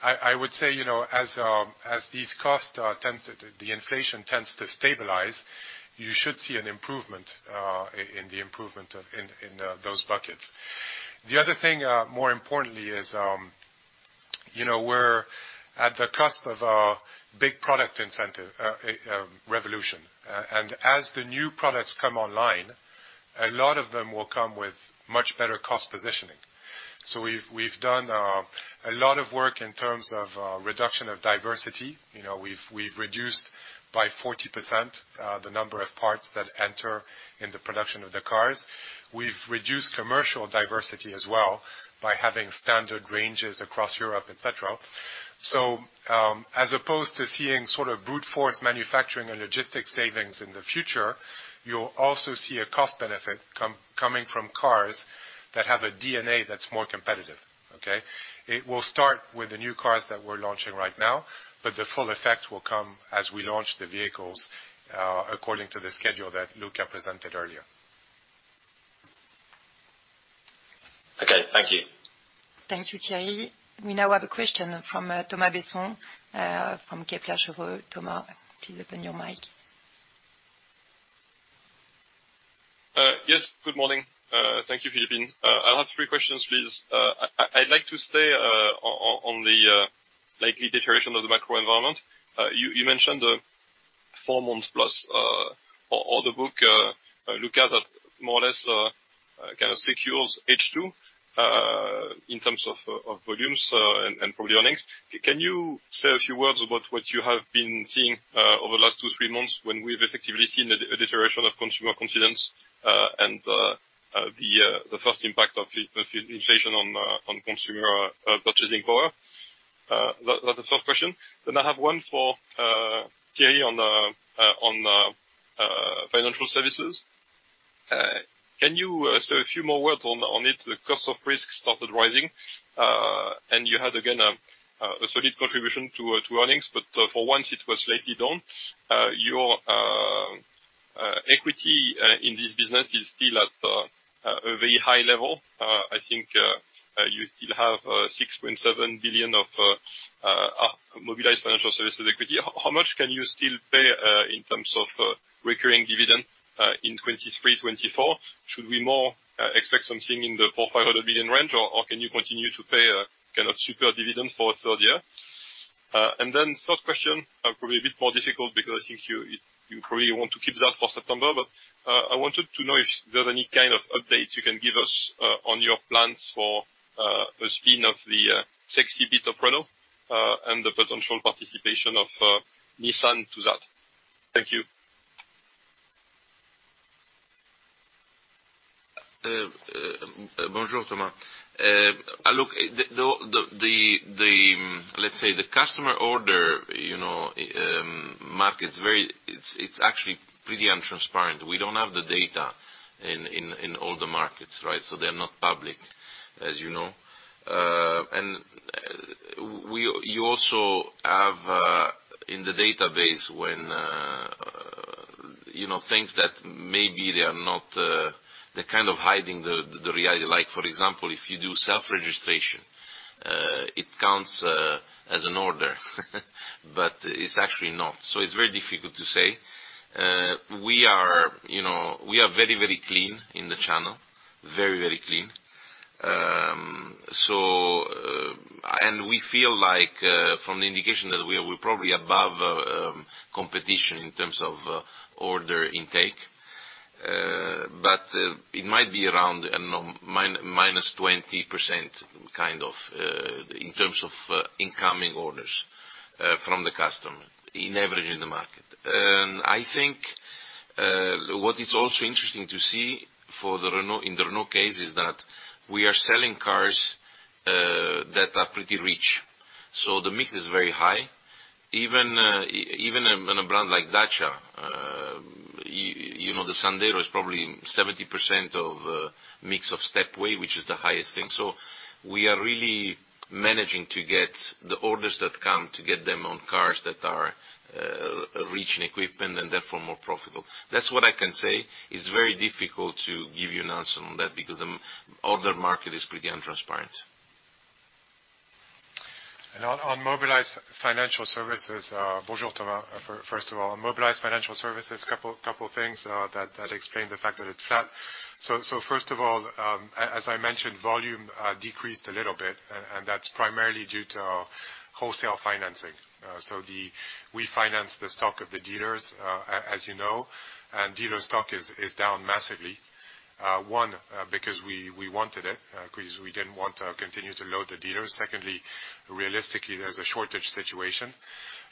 I would say, you know, as these costs tend to... The inflation tends to stabilize. You should see an improvement in those buckets. The other thing, more importantly, is you know, we're at the cusp of a big product offensive revolution. As the new products come online, a lot of them will come with much better cost positioning. We've done a lot of work in terms of reduction of diversity. You know, we've reduced by 40% the number of parts that enter in the production of the cars. We've reduced commercial diversity as well by having standard ranges across Europe, et cetera. As opposed to seeing sort of brute force manufacturing and logistics savings in the future, you'll also see a cost benefit coming from cars that have a DNA that's more competitive. Okay. It will start with the new cars that we're launching right now, but the full effect will come as we launch the vehicles, according to the schedule that Luca presented earlier. Okay. Thank you. Thank you, Thierry. We now have a question from Thomas Besson from Kepler Cheuvreux. Thomas, please open your mic. Yes. Good morning. Thank you, Philippine. I'll have three questions, please. I'd like to stay on the likely deterioration of the macro environment. You mentioned four months plus order book. Look at that more or less kind of secures H2 in terms of volumes and probably earnings. Can you say a few words about what you have been seeing over the last two, three months when we've effectively seen a deterioration of consumer confidence and the first impact of the inflation on consumer purchasing power? That's the first question. Then I have one for Thierry on the financial services. Can you say a few more words on it? The cost of risk started rising, and you had again a solid contribution to earnings, but for once it was slightly down. Your equity in this business is still at a very high level. I think you still have 6.7 billion of Mobilize Financial Services equity. How much can you still pay in terms of recurring dividend in 2023, 2024? Should we more expect something in the 400 million-500 million range, or can you continue to pay a kind of super dividend for a third year? Third question, probably a bit more difficult because I think you probably want to keep that for September, but I wanted to know if there's any kind of update you can give us on your plans for the spin-off of the sexy bit of Renault, and the potential participation of Nissan to that. Thank you. Bonjour, Thomas. Look, the, let's say the customer order, you know, market's very. It's actually pretty untransparent. We don't have the data in all the markets, right? So they're not public, as you know. And you also have in the database when, you know, things that maybe they are not, they're kind of hiding the reality. Like for example, if you do self-registration, it counts as an order, but it's actually not. So it's very difficult to say. We are, you know, we are very clean in the channel. Very clean. So and we feel like from the indication that we are, we're probably above competition in terms of order intake. It might be around, I don't know, minus 20%, kind of, in terms of incoming orders from the customer on average in the market. I think what is also interesting to see for Renault, in the Renault case, is that we are selling cars that are pretty rich. So the mix is very high. Even in a brand like Dacia, the Sandero is probably 70% of the mix of Stepway, which is the highest thing. So we are really managing to get the orders that come, to get them on cars that are rich in equipment and therefore more profitable. That's what I can say. It's very difficult to give you an answer on that because the order market is pretty untransparent. On Mobilize Financial Services, first of all, Mobilize Financial Services, couple things that explain the fact that it's flat. First of all, as I mentioned, volume decreased a little bit, and that's primarily due to wholesale financing. We finance the stock of the dealers, as you know, and dealer stock is down massively. One, because we wanted it, 'cause we didn't want to continue to load the dealers. Secondly, realistically, there's a shortage situation.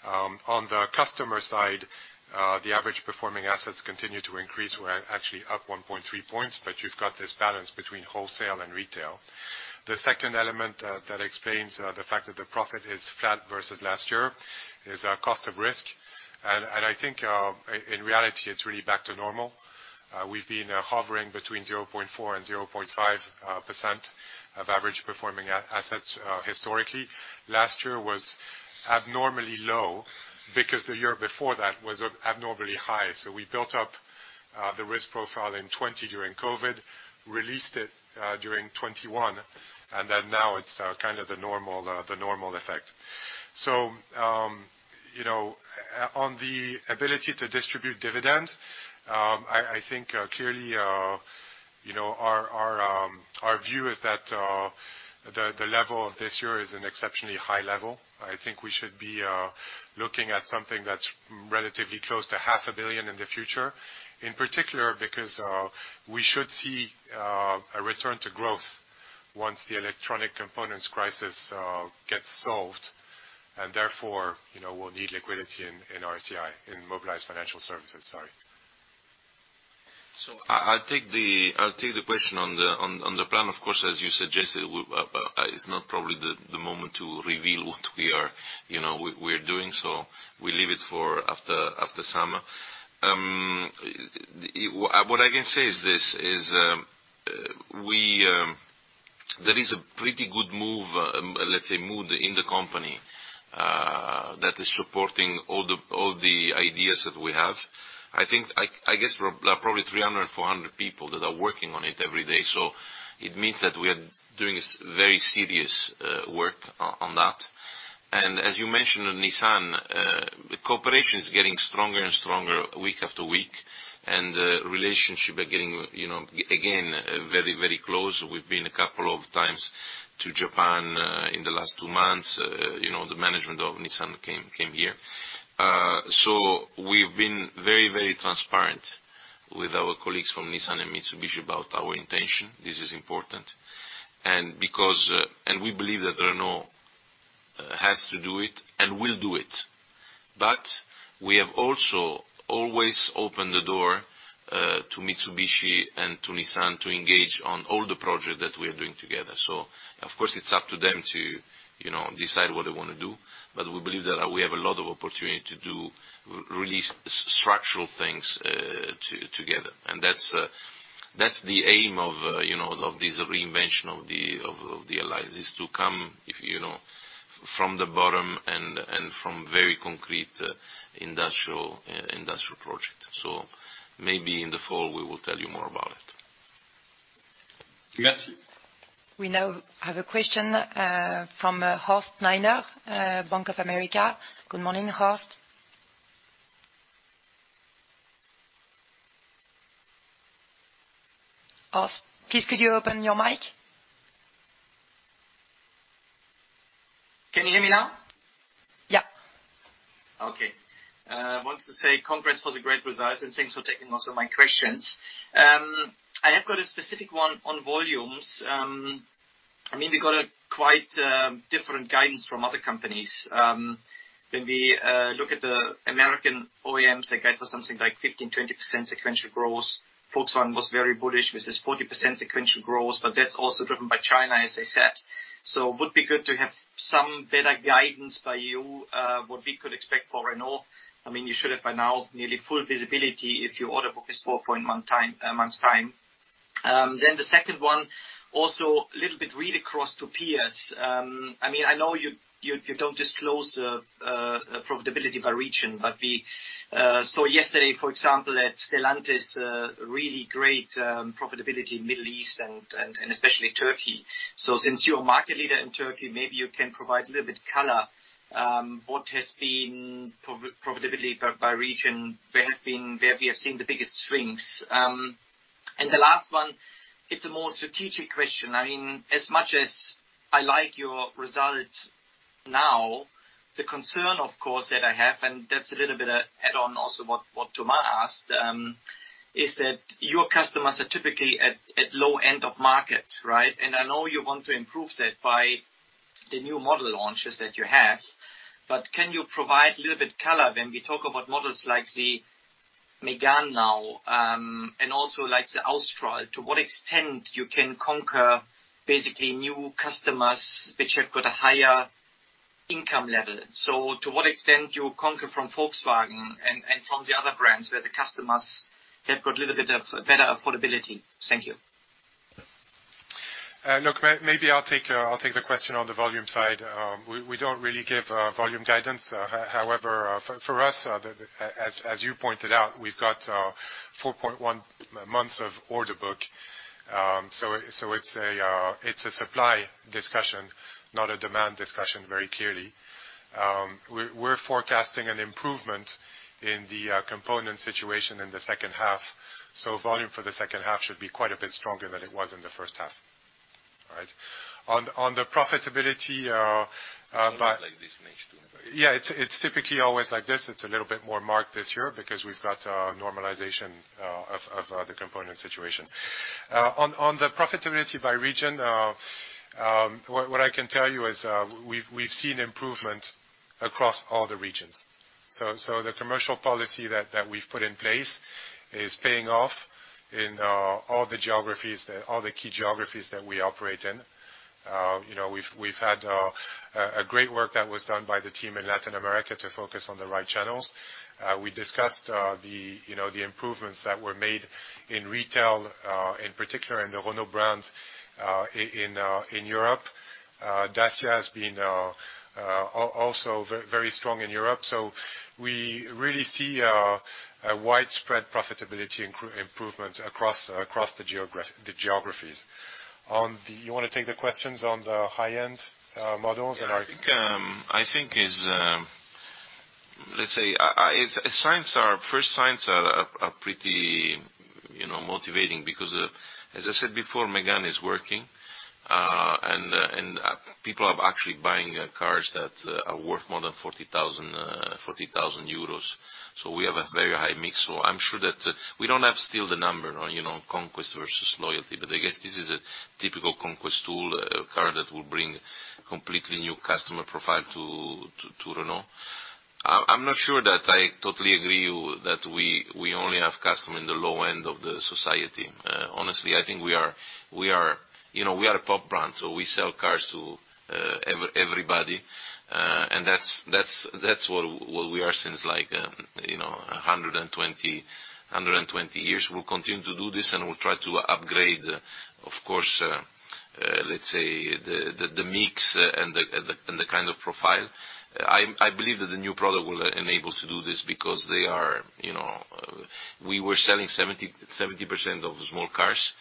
On the customer side, the average performing assets continue to increase. We're actually up 1.3 points, but you've got this balance between wholesale and retail. The second element that explains the fact that the profit is flat versus last year is cost of risk. I think, in reality, it's really back to normal. We've been hovering between 0.4% and 0.5% of average performing assets, historically. Last year was abnormally low because the year before that was abnormally high. We built up the risk profile in 2020 during COVID, released it during 2021, and then now it's kind of the normal effect. You know, on the ability to distribute dividend, I think clearly, you know, our view is that the level of this year is an exceptionally high level. I think we should be looking at something that's relatively close to EUR half a billion in the future, in particular because we should see a return to growth once the electronic components crisis gets solved, and therefore, you know, we'll need liquidity in RCI, in Mobilize Financial Services, sorry. I'll take the question on the plan. Of course, as you suggested, it's probably not the moment to reveal what we are, you know, we're doing, so we leave it for after summer. What I can say is this. There is a pretty good move, let's say, mood in the company that is supporting all the ideas that we have. I think I guess there are probably 300, 400 people that are working on it every day, so it means that we are doing very serious work on that. As you mentioned, on Nissan, the cooperation is getting stronger and stronger week after week, and the relationship are getting, you know, again, very, very close. We've been a couple of times to Japan in the last two months. You know, the management of Nissan came here. We've been very transparent with our colleagues from Nissan and Mitsubishi about our intention. This is important. Because we believe that Renault has to do it and will do it. We have also always opened the door to Mitsubishi and to Nissan to engage on all the projects that we are doing together. Of course, it's up to them to you know decide what they wanna do, but we believe that we have a lot of opportunity to do really structural things together. That's the aim of, you know, of this reinvention of the alliance, is to come, if you know, from the bottom and from very concrete industrial projects. Maybe in the fall, we will tell you more about it. Merci. We now have a question from Horst Schneider, Bank of America. Good morning, Horst. Horst, please could you open your mic? Can you hear me now? Yeah. Okay. I wanted to say congrats for the great results, and thanks for taking most of my questions. I have got a specific one on volumes. I mean, we got a quite different guidance from other companies. When we look at the American OEMs, they guide for something like 15%-20% sequential growth. Volkswagen was very bullish with its 40% sequential growth, but that's also driven by China, as they said. It would be good to have some better guidance by you, what we could expect for Renault. I mean, you should have by now nearly full visibility if your order book is four months' time. The second one, also a little bit read across to peers. I mean, I know you don't disclose profitability by region, but we saw yesterday, for example, that Stellantis really great profitability in Middle East and especially Turkey. Since you're a market leader in Turkey, maybe you can provide a little bit color what has been profitability by region, where we have seen the biggest strengths. The last one, it's a more strategic question. I mean, as much as I like your results now, the concern of course that I have, and that's a little bit a add-on also what Thomas asked, is that your customers are typically at low end of market, right? I know you want to improve that by the new model launches that you have, but can you provide a little bit color when we talk about models like the Mégane now, and also like the Austral, to what extent you can conquer basically new customers which have got a higher income level. To what extent you conquer from Volkswagen and from the other brands where the customers have got a little bit of better affordability. Thank you. Look, maybe I'll take the question on the volume side. We don't really give volume guidance. However, for us, as you pointed out, we've got 4.1 months of order book. So it's a supply discussion, not a demand discussion, very clearly. We're forecasting an improvement in the component situation in the second half. Volume for the second half should be quite a bit stronger than it was in the first half. All right? On the profitability, by- It's always like this in H2. Yeah. It's typically always like this. It's a little bit more marked this year because we've got normalization of the component situation. On the profitability by region, what I can tell you is, we've seen improvement across all the regions. The commercial policy that we've put in place is paying off in all the geographies, all the key geographies that we operate in. You know, we've had a great work that was done by the team in Latin America to focus on the right channels. We discussed the improvements that were made in retail, in particular in the Renault brand, in Europe. Dacia has been very strong in Europe. We really see a widespread profitability improvement across the geographies. You wanna take the questions on the high-end models and I can- First signs are pretty motivating because as I said before, Mégane is working. People are actually buying cars that are worth more than 40,000 euros. We have a very high mix. I'm sure that we still don't have the number on conquest versus loyalty, but I guess this is a typical conquest tool, a car that will bring completely new customer profile to Renault. I'm not sure that I totally agree with you that we only have customer in the low end of the society. Honestly, I think we are a pop brand, so we sell cars to everybody. That's what we are since like, you know, 120 years. We'll continue to do this, and we'll try to upgrade, of course, let's say, the mix and the kind of profile. I believe that the new product will enable to do this because they are, you know. We were selling 70% of small cars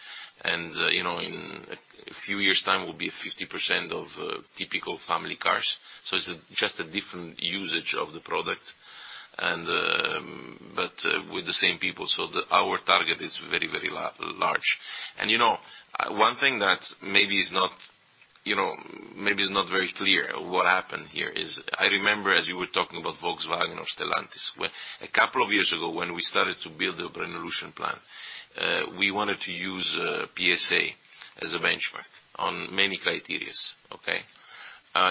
and, you know, in a few years' time will be 50% of typical family cars. It's just a different usage of the product and, but, with the same people. Our target is very large. You know, one thing that maybe is not very clear what happened here is, I remember as you were talking about Volkswagen or Stellantis. A couple of years ago, when we started to build the Renaulution plan, we wanted to use PSA as a benchmark on many criteria, okay?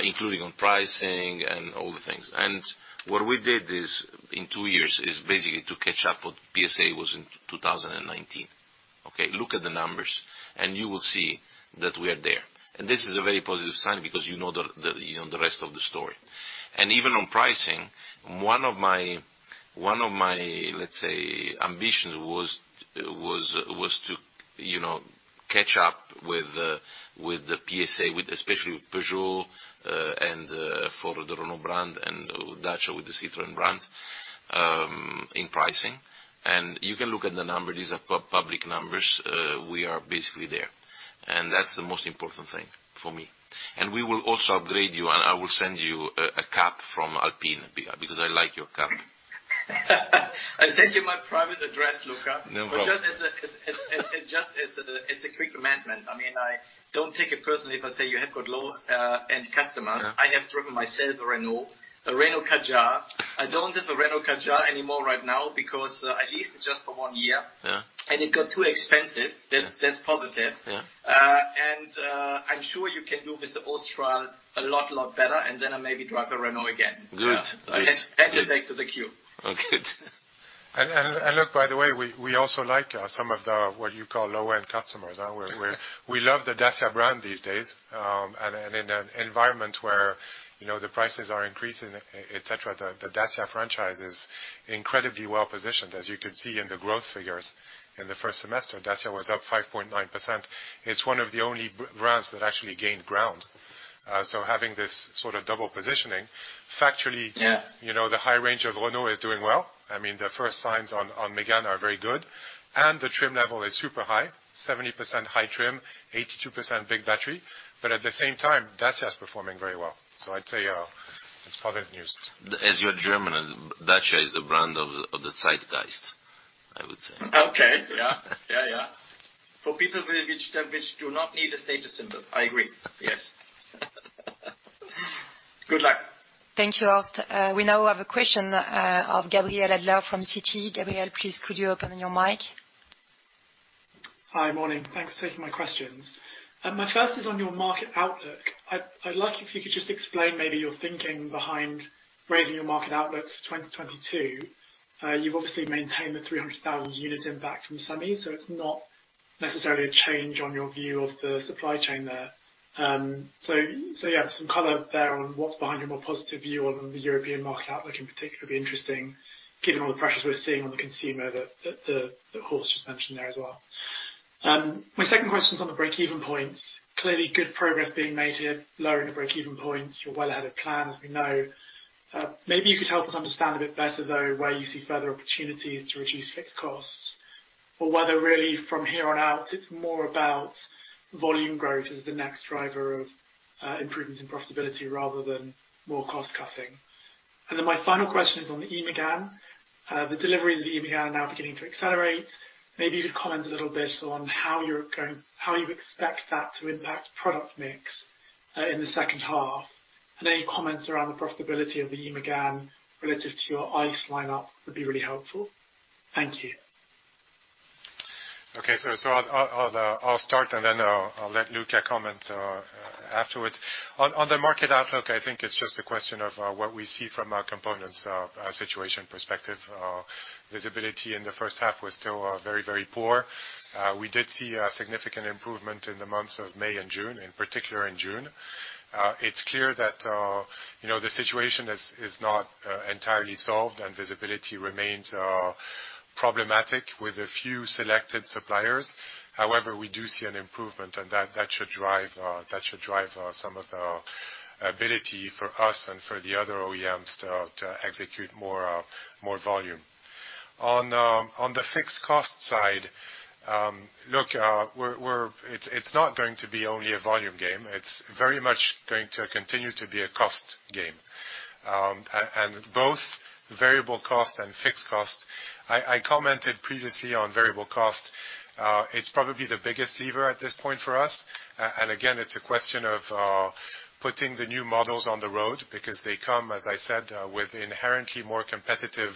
Including on pricing and all the things. What we did is, in two years, basically to catch up what PSA was in 2019, okay? Look at the numbers, and you will see that we are there. This is a very positive sign because you know the rest of the story. Even on pricing, one of my let's say ambitions was to you know catch up with the PSA, especially with Peugeot, and for the Renault brand and Dacia with the Citroën brand in pricing. You can look at the numbers, these are public numbers. We are basically there. That's the most important thing for me. We will also upgrade you, and I will send you a cap from Alpine because I like your cap. I sent you my private address, Luca. No problem. Just as a quick amendment, I mean, don't take it personally if I say you have got low-end customers. Yeah. I have driven myself a Renault, a Renault Kadjar. I don't have a Renault Kadjar anymore right now because I leased it just for one year. Yeah. It got too expensive. Yeah. That's positive. Yeah. I'm sure you can do with the Austral a lot better, and then I maybe drive a Renault again. Good. Right. Let's hand you back to the queue. Okay, good. look, by the way, we also like some of the what you call low-end customers. We love the Dacia brand these days. In an environment where, you know, the prices are increasing, et cetera, the Dacia franchise is incredibly well positioned. As you could see in the growth figures in the first semester, Dacia was up 5.9%. It's one of the only brands that actually gained ground. Having this sort of double positioning, factually- Yeah You know, the high range of Renault is doing well. I mean, the first signs on Mégane are very good. The trim level is super high, 70% high trim, 82% big battery. Dacia is performing very well. I'd say it's positive news. As you're German, Dacia is the brand of the zeitgeist, I would say. Okay. Yeah. For people who do not need a status symbol. I agree. Yes. Good luck. Thank you, Horst. We now have a question from Gabriel Adler from Citi. Gabriel, please, could you open your mic? Hi. Morning. Thanks for taking my questions. My first is on your market outlook. I'd like if you could just explain maybe your thinking behind raising your market outlook for 2022. You've obviously maintained the 300,000 unit impact from semi, so it's not necessarily a change on your view of the supply chain there. Some color there on what's behind your more positive view on the European market outlook in particular would be interesting given all the pressures we're seeing on the consumer that Horst just mentioned there as well. My second question is on the breakeven points. Clearly good progress being made here, lowering the breakeven points. You're well ahead of plan, as we know. Maybe you could help us understand a bit better though, where you see further opportunities to reduce fixed costs or whether really from here on out, it's more about volume growth as the next driver of improvements in profitability rather than more cost cutting. My final question is on the E-Mégane. The deliveries of E-Mégane are now beginning to accelerate. Maybe you could comment a little bit on how you're going. How you expect that to impact product mix in the second half, and any comments around the profitability of the E-Mégane relative to your ICE lineup would be really helpful? Thank you. Okay. I'll start, and then I'll let Luca comment afterwards. On the market outlook, I think it's just a question of what we see from our components situation perspective. Visibility in the first half was still very poor. We did see a significant improvement in the months of May and June, in particular in June. It's clear that you know, the situation is not entirely solved and visibility remains problematic with a few selected suppliers. However, we do see an improvement, and that should drive some of the ability for us and for the other OEMs to execute more volume. On the fixed cost side, look, we're. It's not going to be only a volume game. It's very much going to continue to be a cost game, and both variable cost and fixed cost. I commented previously on variable cost. It's probably the biggest lever at this point for us. Again, it's a question of putting the new models on the road because they come, as I said, with inherently more competitive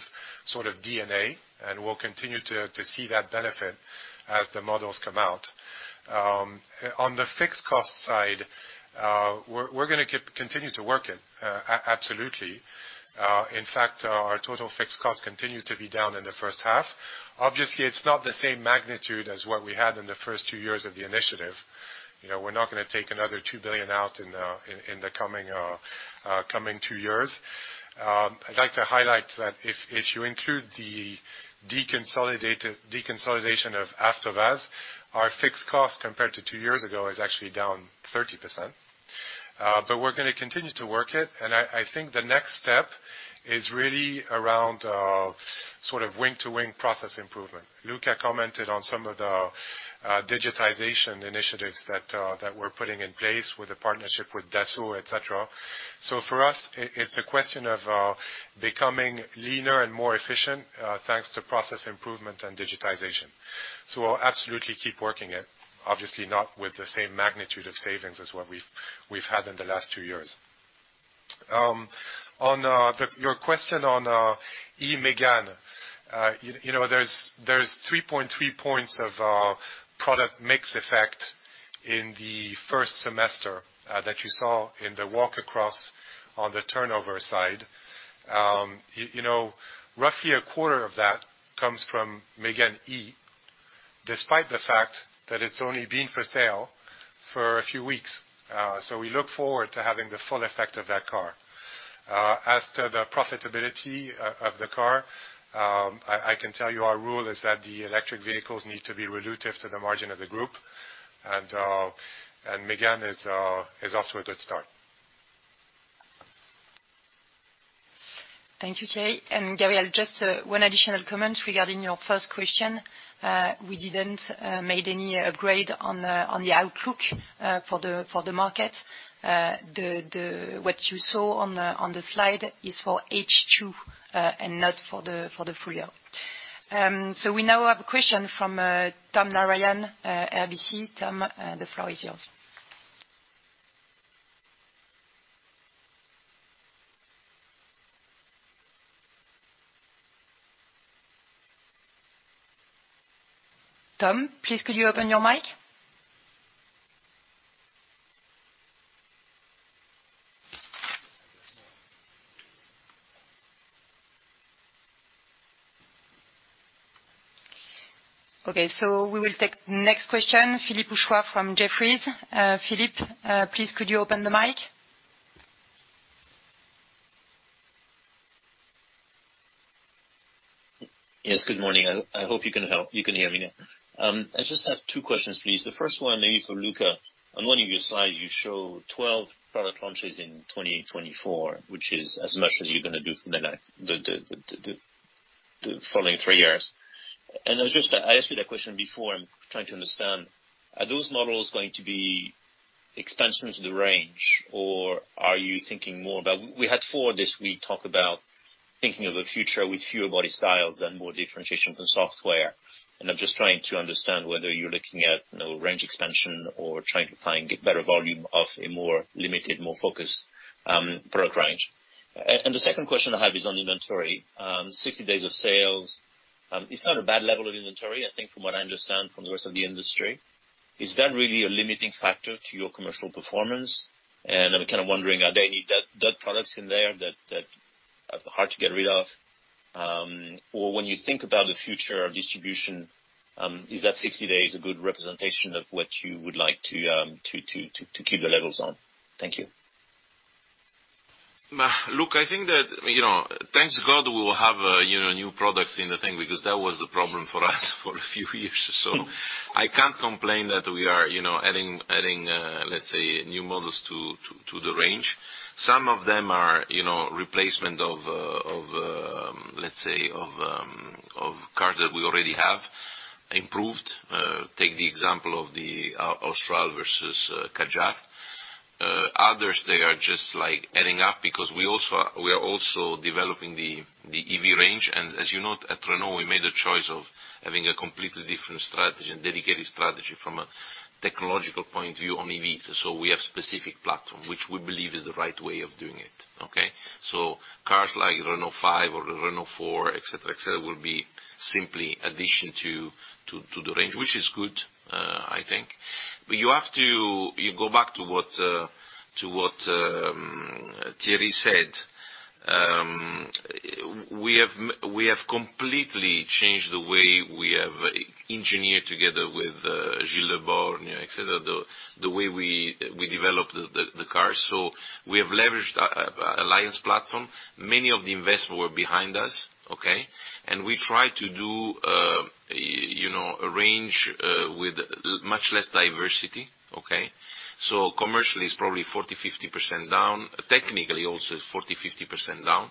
sort of DNA, and we'll continue to see that benefit as the models come out. On the fixed cost side, we're gonna continue to work it, absolutely. In fact, our total fixed costs continue to be down in the first half. Obviously, it's not the same magnitude as what we had in the first two years of the initiative. You know, we're not gonna take another 2 billion out in the coming two years. I'd like to highlight that if you include the deconsolidation of AvtoVAZ, our fixed cost compared to two years ago is actually down 30%. We're gonna continue to work it, and I think the next step is really around sort of wing-to-wing process improvement. Luca commented on some of the digitization initiatives that we're putting in place with the partnership with Dassault, et cetera. For us, it's a question of becoming leaner and more efficient thanks to process improvement and digitization. We'll absolutely keep working it, obviously not with the same magnitude of savings as what we've had in the last two years. On the... Your question on Mégane E, you know, there's 3.3 points of product mix effect in the first semester that you saw in the walk across on the turnover side. You know, roughly a quarter of that comes from Mégane E, despite the fact that it's only been for sale for a few weeks. We look forward to having the full effect of that car. As to the profitability of the car, I can tell you our rule is that the electric vehicles need to be relative to the margin of the group, and Mégane is off to a good start. Thank you, Jay. Gabriel, just one additional comment regarding your first question. We didn't made any upgrade on the outlook for the market. What you saw on the slide is for H2 and not for the full year. We now have a question from Tom Narayan, RBC. Tom, the floor is yours. Tom, please could you open your mic? Okay, we will take next question, Philippe Houchois from Jefferies. Philippe, please could you open the mic? Yes. Good morning. I hope you can help you can hear me now. I just have two questions, please. The first one, maybe for Luca. On one of your slides, you show 12 product launches in 2020-2024, which is as much as you're gonna do for the following 3 years. I was just I asked you that question before. I'm trying to understand, are those models going to be expansion to the range, or are you thinking more about We had 4 this week talk about thinking of a future with fewer body styles and more differentiation from software, and I'm just trying to understand whether you're looking at, you know, range expansion or trying to find a better volume of a more limited, more focused product range. The second question I have is on inventory. 60 days of sales is not a bad level of inventory, I think, from what I understand from the rest of the industry. Is that really a limiting factor to your commercial performance? I'm kind of wondering, are there any dead products in there that Hard to get rid of. When you think about the future of distribution, is that 60 days a good representation of what you would like to keep the levels on? Thank you. Look, I think that, you know, thank God, we will have, you know, new products in the thing because that was the problem for us for a few years. I can't complain that we are, you know, adding, let's say new models to the range. Some of them are, you know, replacement of, let's say, cars that we already have improved. Take the example of the Austral versus Kadjar. Others, they are just like adding up because we also are developing the EV range. As you know, at Renault, we made a choice of having a completely different strategy and dedicated strategy from a technological point of view on EVs. We have specific platform, which we believe is the right way of doing it. Okay? Cars like Renault Five or Renault Four, et cetera, et cetera, will be simply addition to the range, which is good, I think. You go back to what Thierry said. We have completely changed the way we have engineered together with Gilles Le Borgne, et cetera, the way we develop the cars. We have leveraged a Alliance platform. Many of the investment were behind us, okay? We try to do you know a range with much less diversity, okay? Commercially, it's probably 40%-50% down. Technically, also 40%-50% down.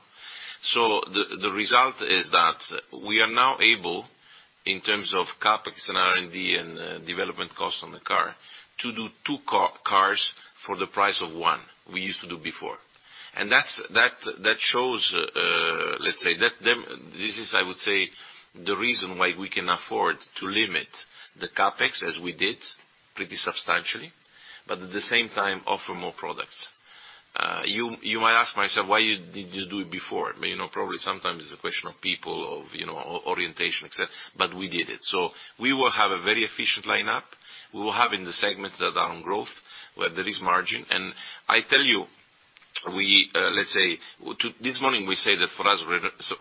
The result is that we are now able, in terms of CapEx and R&D and development costs on the car, to do two cars for the price of one we used to do before. That shows, let's say that. This is, I would say, the reason why we can afford to limit the CapEx as we did pretty substantially, but at the same time offer more products. You might ask me, "Why you didn't do it before?" I mean, you know, probably sometimes it's a question of people, of you know, orientation, et cetera, but we did it. We will have a very efficient lineup. We will have in the segments that are on growth, where there is margin. I tell you, we, let's say, this morning we say that for us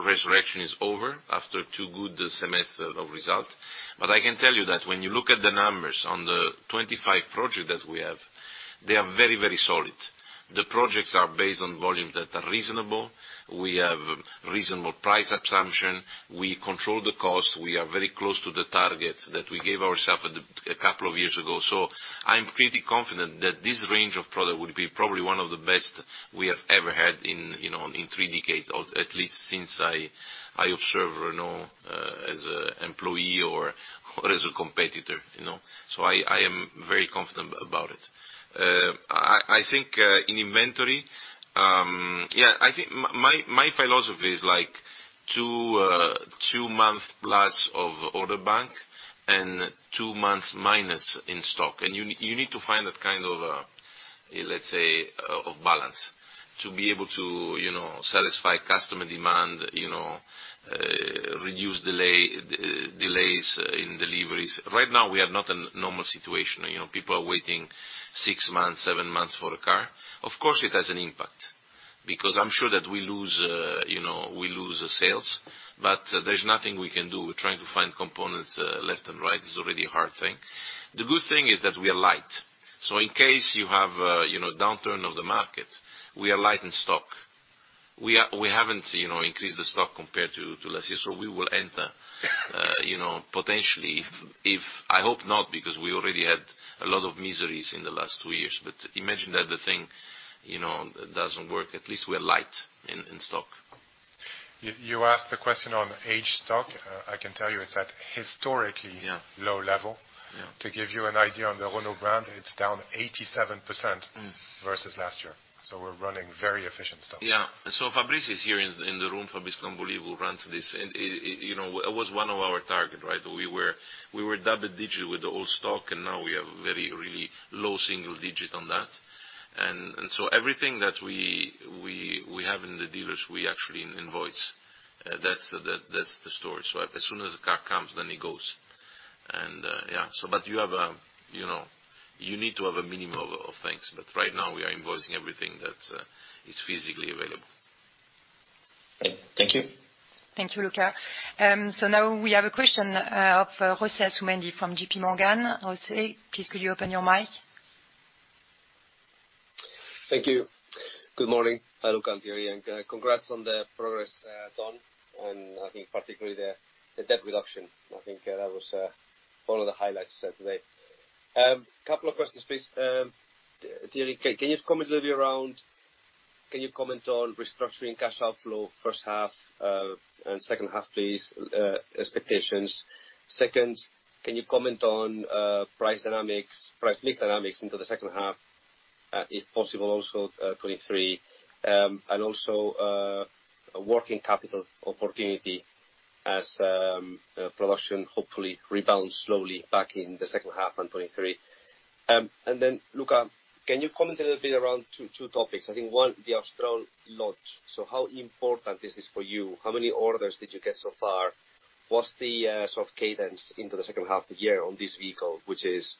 resurrection is over after two good semesters of results. I can tell you that when you look at the numbers on the 25 projects that we have, they are very, very solid. The projects are based on volumes that are reasonable. We have reasonable price assumptions. We are very close to the targets that we gave ourselves a couple of years ago. I'm pretty confident that this range of products would be probably one of the best we have ever had in, you know, three decades, or at least since I observe Renault as an employee or as a competitor, you know. I am very confident about it. I think in inventory, yeah, I think my philosophy is like 2-month plus of order bank and 2 months minus in stock. You need to find that kind of a, let's say, of balance to be able to, you know, satisfy customer demand, you know, reduce delays in deliveries. Right now, we are not in normal situation. You know, people are waiting 6 months, 7 months for a car. Of course, it has an impact because I'm sure that we lose sales, but there's nothing we can do. We're trying to find components, left and right. It's already a hard thing. The good thing is that we are light. In case you have, you know, downturn of the market, we are light in stock. We haven't, you know, increased the stock compared to last year, so we will enter you know potentially if I hope not, because we already had a lot of miseries in the last two years. Imagine that the thing, you know, doesn't work, at least we are light in stock. You asked the question on aged stock. I can tell you it's at historically. Yeah. Low level. Yeah. To give you an idea on the Renault brand, it's down 87%. Mm. versus last year. We're running very efficient stock. Fabrice is here, Fabrice Cambolive, who runs this. You know, it was one of our target, right? We were double digit with the old stock, and now we have very really low single digit on that. So everything that we have in the dealers, we actually invoice. That's the story. As soon as the car comes, then it goes. You have, you know, you need to have a minimum of things. Right now we are invoicing everything that is physically available. Thank you. Thank you, Luca. Now we have a question for José Asumendi from J.P. Morgan. José, please could you open your mic? Thank you. Good morning, hi Luca and Thierry, and congrats on the progress done, and I think particularly the debt reduction. I think that was one of the highlights today. Couple of questions, please. Thierry, can you comment a little bit. Can you comment on restructuring cash outflow first half, and second half, please, expectations? Second, can you comment on price dynamics, price mix dynamics into the second half, if possible, also 2023? And also, working capital opportunity as production hopefully rebounds slowly back in the second half and 2023. And then Luca, can you comment a little bit around two topics? I think one, the Austral launch. So how important is this for you? How many orders did you get so far? What's the sort of cadence into the second half of the year on this vehicle, which is?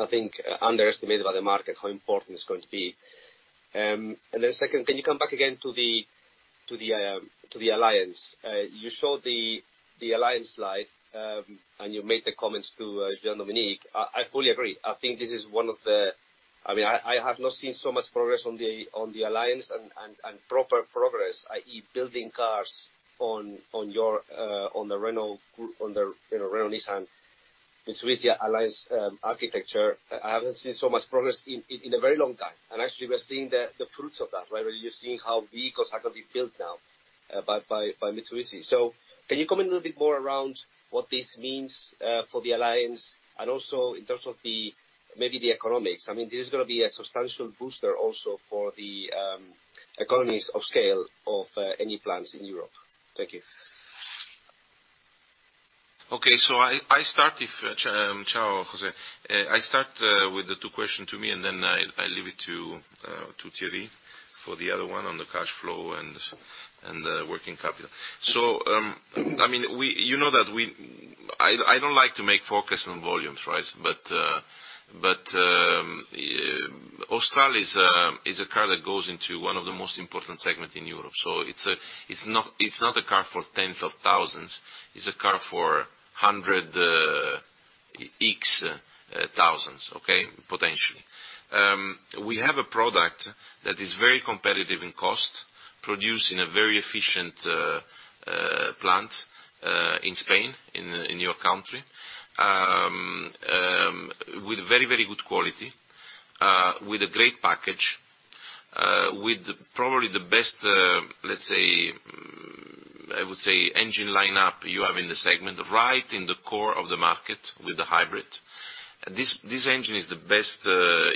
I think underestimated by the market how important it's going to be. Then second, can you come back again to the alliance? You showed the alliance slide, and you made the comments to Jean-Dominique. I fully agree. I think this is one of the. I mean, I have not seen so much progress on the alliance and proper progress, i.e., building cars on the Renault Group, you know, Renault-Nissan-Mitsubishi Alliance architecture. I haven't seen so much progress in a very long time. Actually, we're seeing the fruits of that, right? Where you're seeing how vehicles are gonna be built now by Mitsubishi. Can you comment a little bit more around what this means for the alliance and also in terms of the maybe the economics? I mean, this is gonna be a substantial booster also for the economies of scale of any plants in Europe. Thank you. Ciao, José. I start with the two questions to me, and then I leave it to Thierry for the other one on the cash flow and the working capital. I mean, you know that I don't like to make forecasts on volumes, right? Austral is a car that goes into one of the most important segments in Europe. It's not a car for tens of thousands. It's a car for hundreds of thousands, okay? Potentially. We have a product that is very competitive in cost, produced in a very efficient plant in Spain, in your country, with very good quality, with a great package, with probably the best, let's say, I would say engine line-up you have in the segment, right in the core of the market with the hybrid. This engine is the best,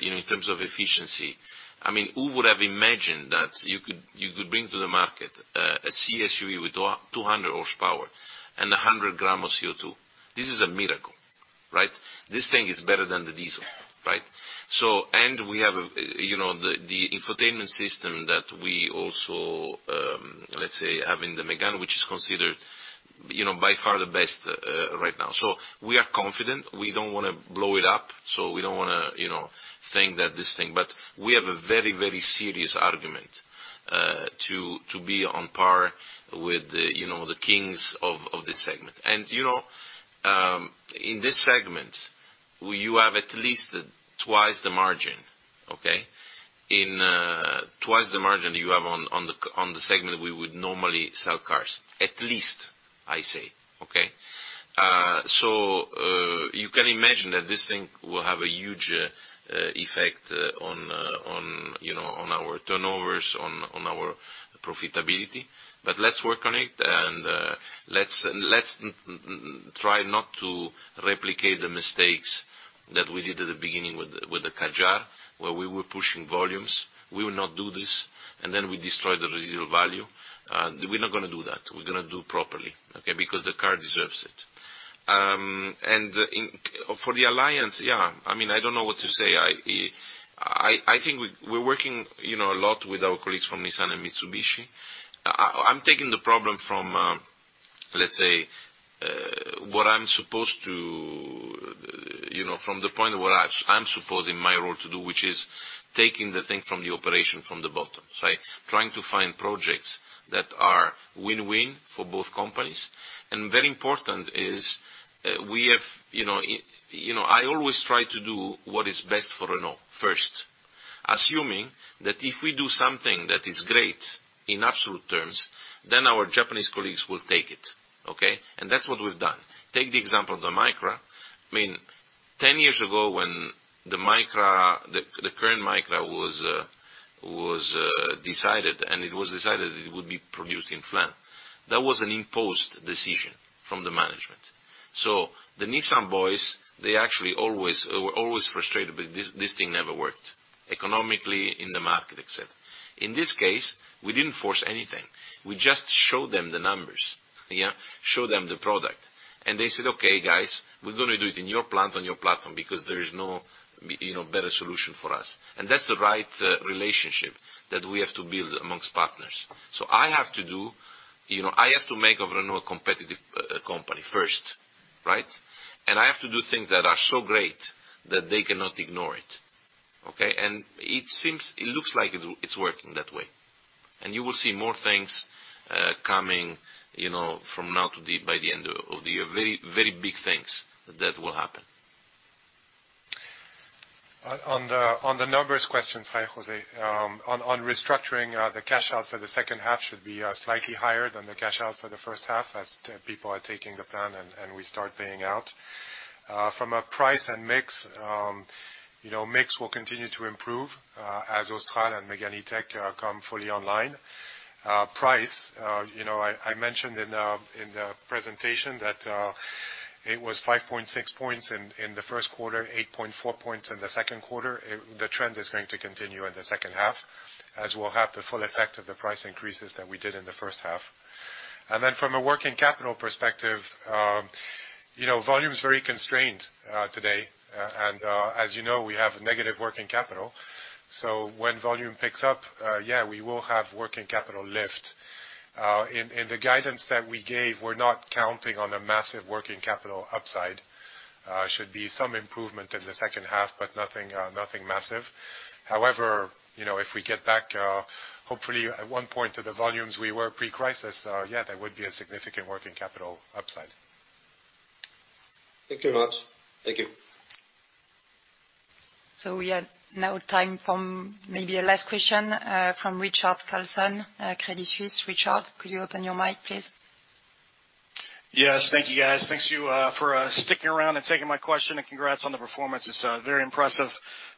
you know, in terms of efficiency. I mean, who would have imagined that you could bring to the market a C-SUV with 200 horsepower and 100 grams of CO2? This is a miracle, right? This thing is better than the diesel, right? We have, you know, the infotainment system that we also, let's say, have in the Mégane, which is considered, you know, by far the best right now. We are confident. We don't wanna blow it up. We don't wanna, you know, think that this thing, but we have a very serious argument to be on par with, you know, the kings of this segment. You know, in this segment, you have at least twice the margin, okay? In twice the margin you have on the segment we would normally sell cars, at least, I say, okay? You can imagine that this thing will have a huge effect on, you know, on our turnovers, on our profitability. Let's work on it, and let's try not to replicate the mistakes that we did at the beginning with the Kadjar, where we were pushing volumes. We will not do this. Then we destroyed the residual value. We're not gonna do that. We're gonna do it properly, okay? Because the car deserves it. For the alliance, yeah. I mean, I don't know what to say. I think we're working, you know, a lot with our colleagues from Nissan and Mitsubishi. I'm taking the problem from, let's say, what I'm supposed to, you know, from the point of what I'm supposed in my role to do, which is taking the thing from the operation from the bottom, right? Trying to find projects that are win-win for both companies. Very important is, we have, you know. You know, I always try to do what is best for Renault first, assuming that if we do something that is great in absolute terms, then our Japanese colleagues will take it, okay? That's what we've done. Take the example of the Micra. I mean, 10 years ago when the Micra, the current Micra was decided, and it was decided that it would be produced in Flins. That was an imposed decision from the management. The Nissan boys, they actually always were always frustrated, but this thing never worked economically in the market, et cetera. In this case, we didn't force anything. We just showed them the numbers, yeah? Showed them the product. They said, "Okay, guys, we're gonna do it in your plant, on your platform, because there is no, you know, better solution for us." That's the right relationship that we have to build amongst partners. I have to do, you know, I have to make of Renault a competitive company first, right? I have to do things that are so great that they cannot ignore it, okay? It seems it looks like it's working that way. You will see more things, coming, you know, from now to the by the end of the year. Very, very big things that will happen. On the numbers question, hi, José. On restructuring, the cash out for the second half should be slightly higher than the cash out for the first half, as people are taking the plan and restart paying out. From a price and mix, you know, mix will continue to improve, as Austral and Mégane E-Tech come fully online. Price, you know, I mentioned in the presentation that it was 5.6 points in the first quarter, 8.4 points in the second quarter. The trend is going to continue in the second half, as we'll have the full effect of the price increases that we did in the first half. From a working capital perspective, you know, volume is very constrained today. As you know, we have negative working capital. When volume picks up, we will have working capital lift. In the guidance that we gave, we're not counting on a massive working capital upside. Should be some improvement in the second half, but nothing massive. However, you know, if we get back, hopefully at one point to the volumes we were pre-crisis, there would be a significant working capital upside. Thank you very much. Thank you. We have now time from maybe a last question from Richard Carlson, Credit Suisse. Richard, could you open your mic, please? Yes. Thank you, guys. Thank you for sticking around and taking my question, and congrats on the performance. It's very impressive.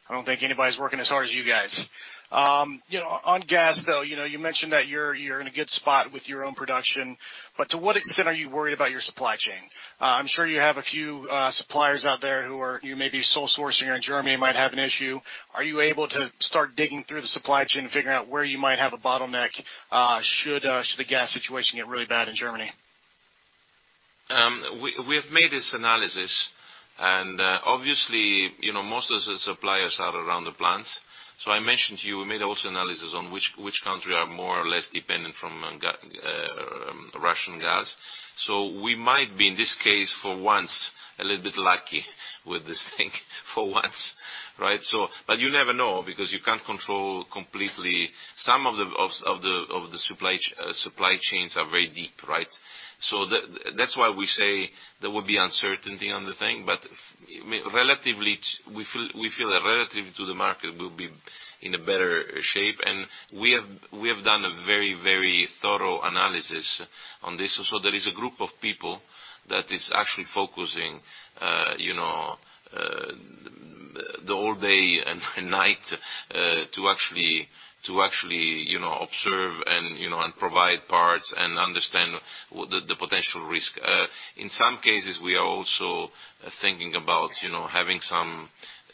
I don't think anybody's working as hard as you guys. You know, on gas, though, you know, you mentioned that you're in a good spot with your own production, but to what extent are you worried about your supply chain? I'm sure you have a few suppliers out there who are. You may be sole sourcing in Germany might have an issue. Are you able to start digging through the supply chain and figuring out where you might have a bottleneck, should the gas situation get really bad in Germany? We have made this analysis, and obviously, you know, most of the suppliers are around the plants. I mentioned to you, we made also analysis on which country are more or less dependent from Russian gas. We might be, in this case, for once, a little bit lucky with this thing for once, right? But you never know because you can't control completely. Some of the supply chains are very deep, right? That's why we say there will be uncertainty on the thing, but relatively, we feel that relative to the market, we'll be in a better shape. We have done a very thorough analysis on this. There is a group of people that is actually focusing the whole day and night to actually observe and provide parts and understand the potential risk. In some cases, we are also thinking about you know having some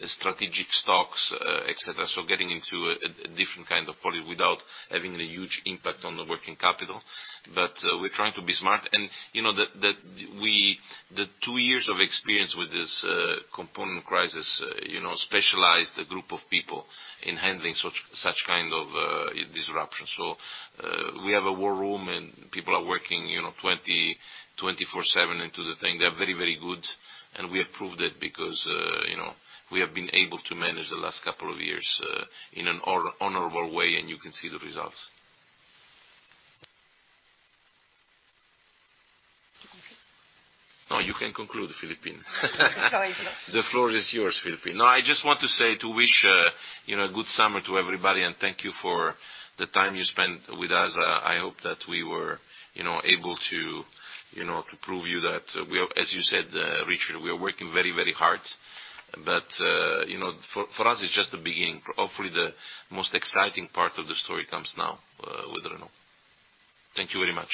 strategic stocks et cetera. Getting into a different kind of product without having a huge impact on the working capital. We're trying to be smart. You know the two years of experience with this component crisis you know specialized a group of people in handling such kind of disruption. We have a war room, and people are working you know 24/7 into the thing. They're very, very good, and we have proved it because, you know, we have been able to manage the last couple of years in an honorable way, and you can see the results. Conclude. No, you can conclude, Philippine. Sorry. The floor is yours, Philippine. No, I just want to say I wish, you know, a good summer to everybody and thank you for the time you spent with us. I hope that we were, you know, able to, you know, to prove to you that we are. As you said, Richard, we are working very, very hard. You know, for us, it's just the beginning. Hopefully, the most exciting part of the story comes now with Renault. Thank you very much.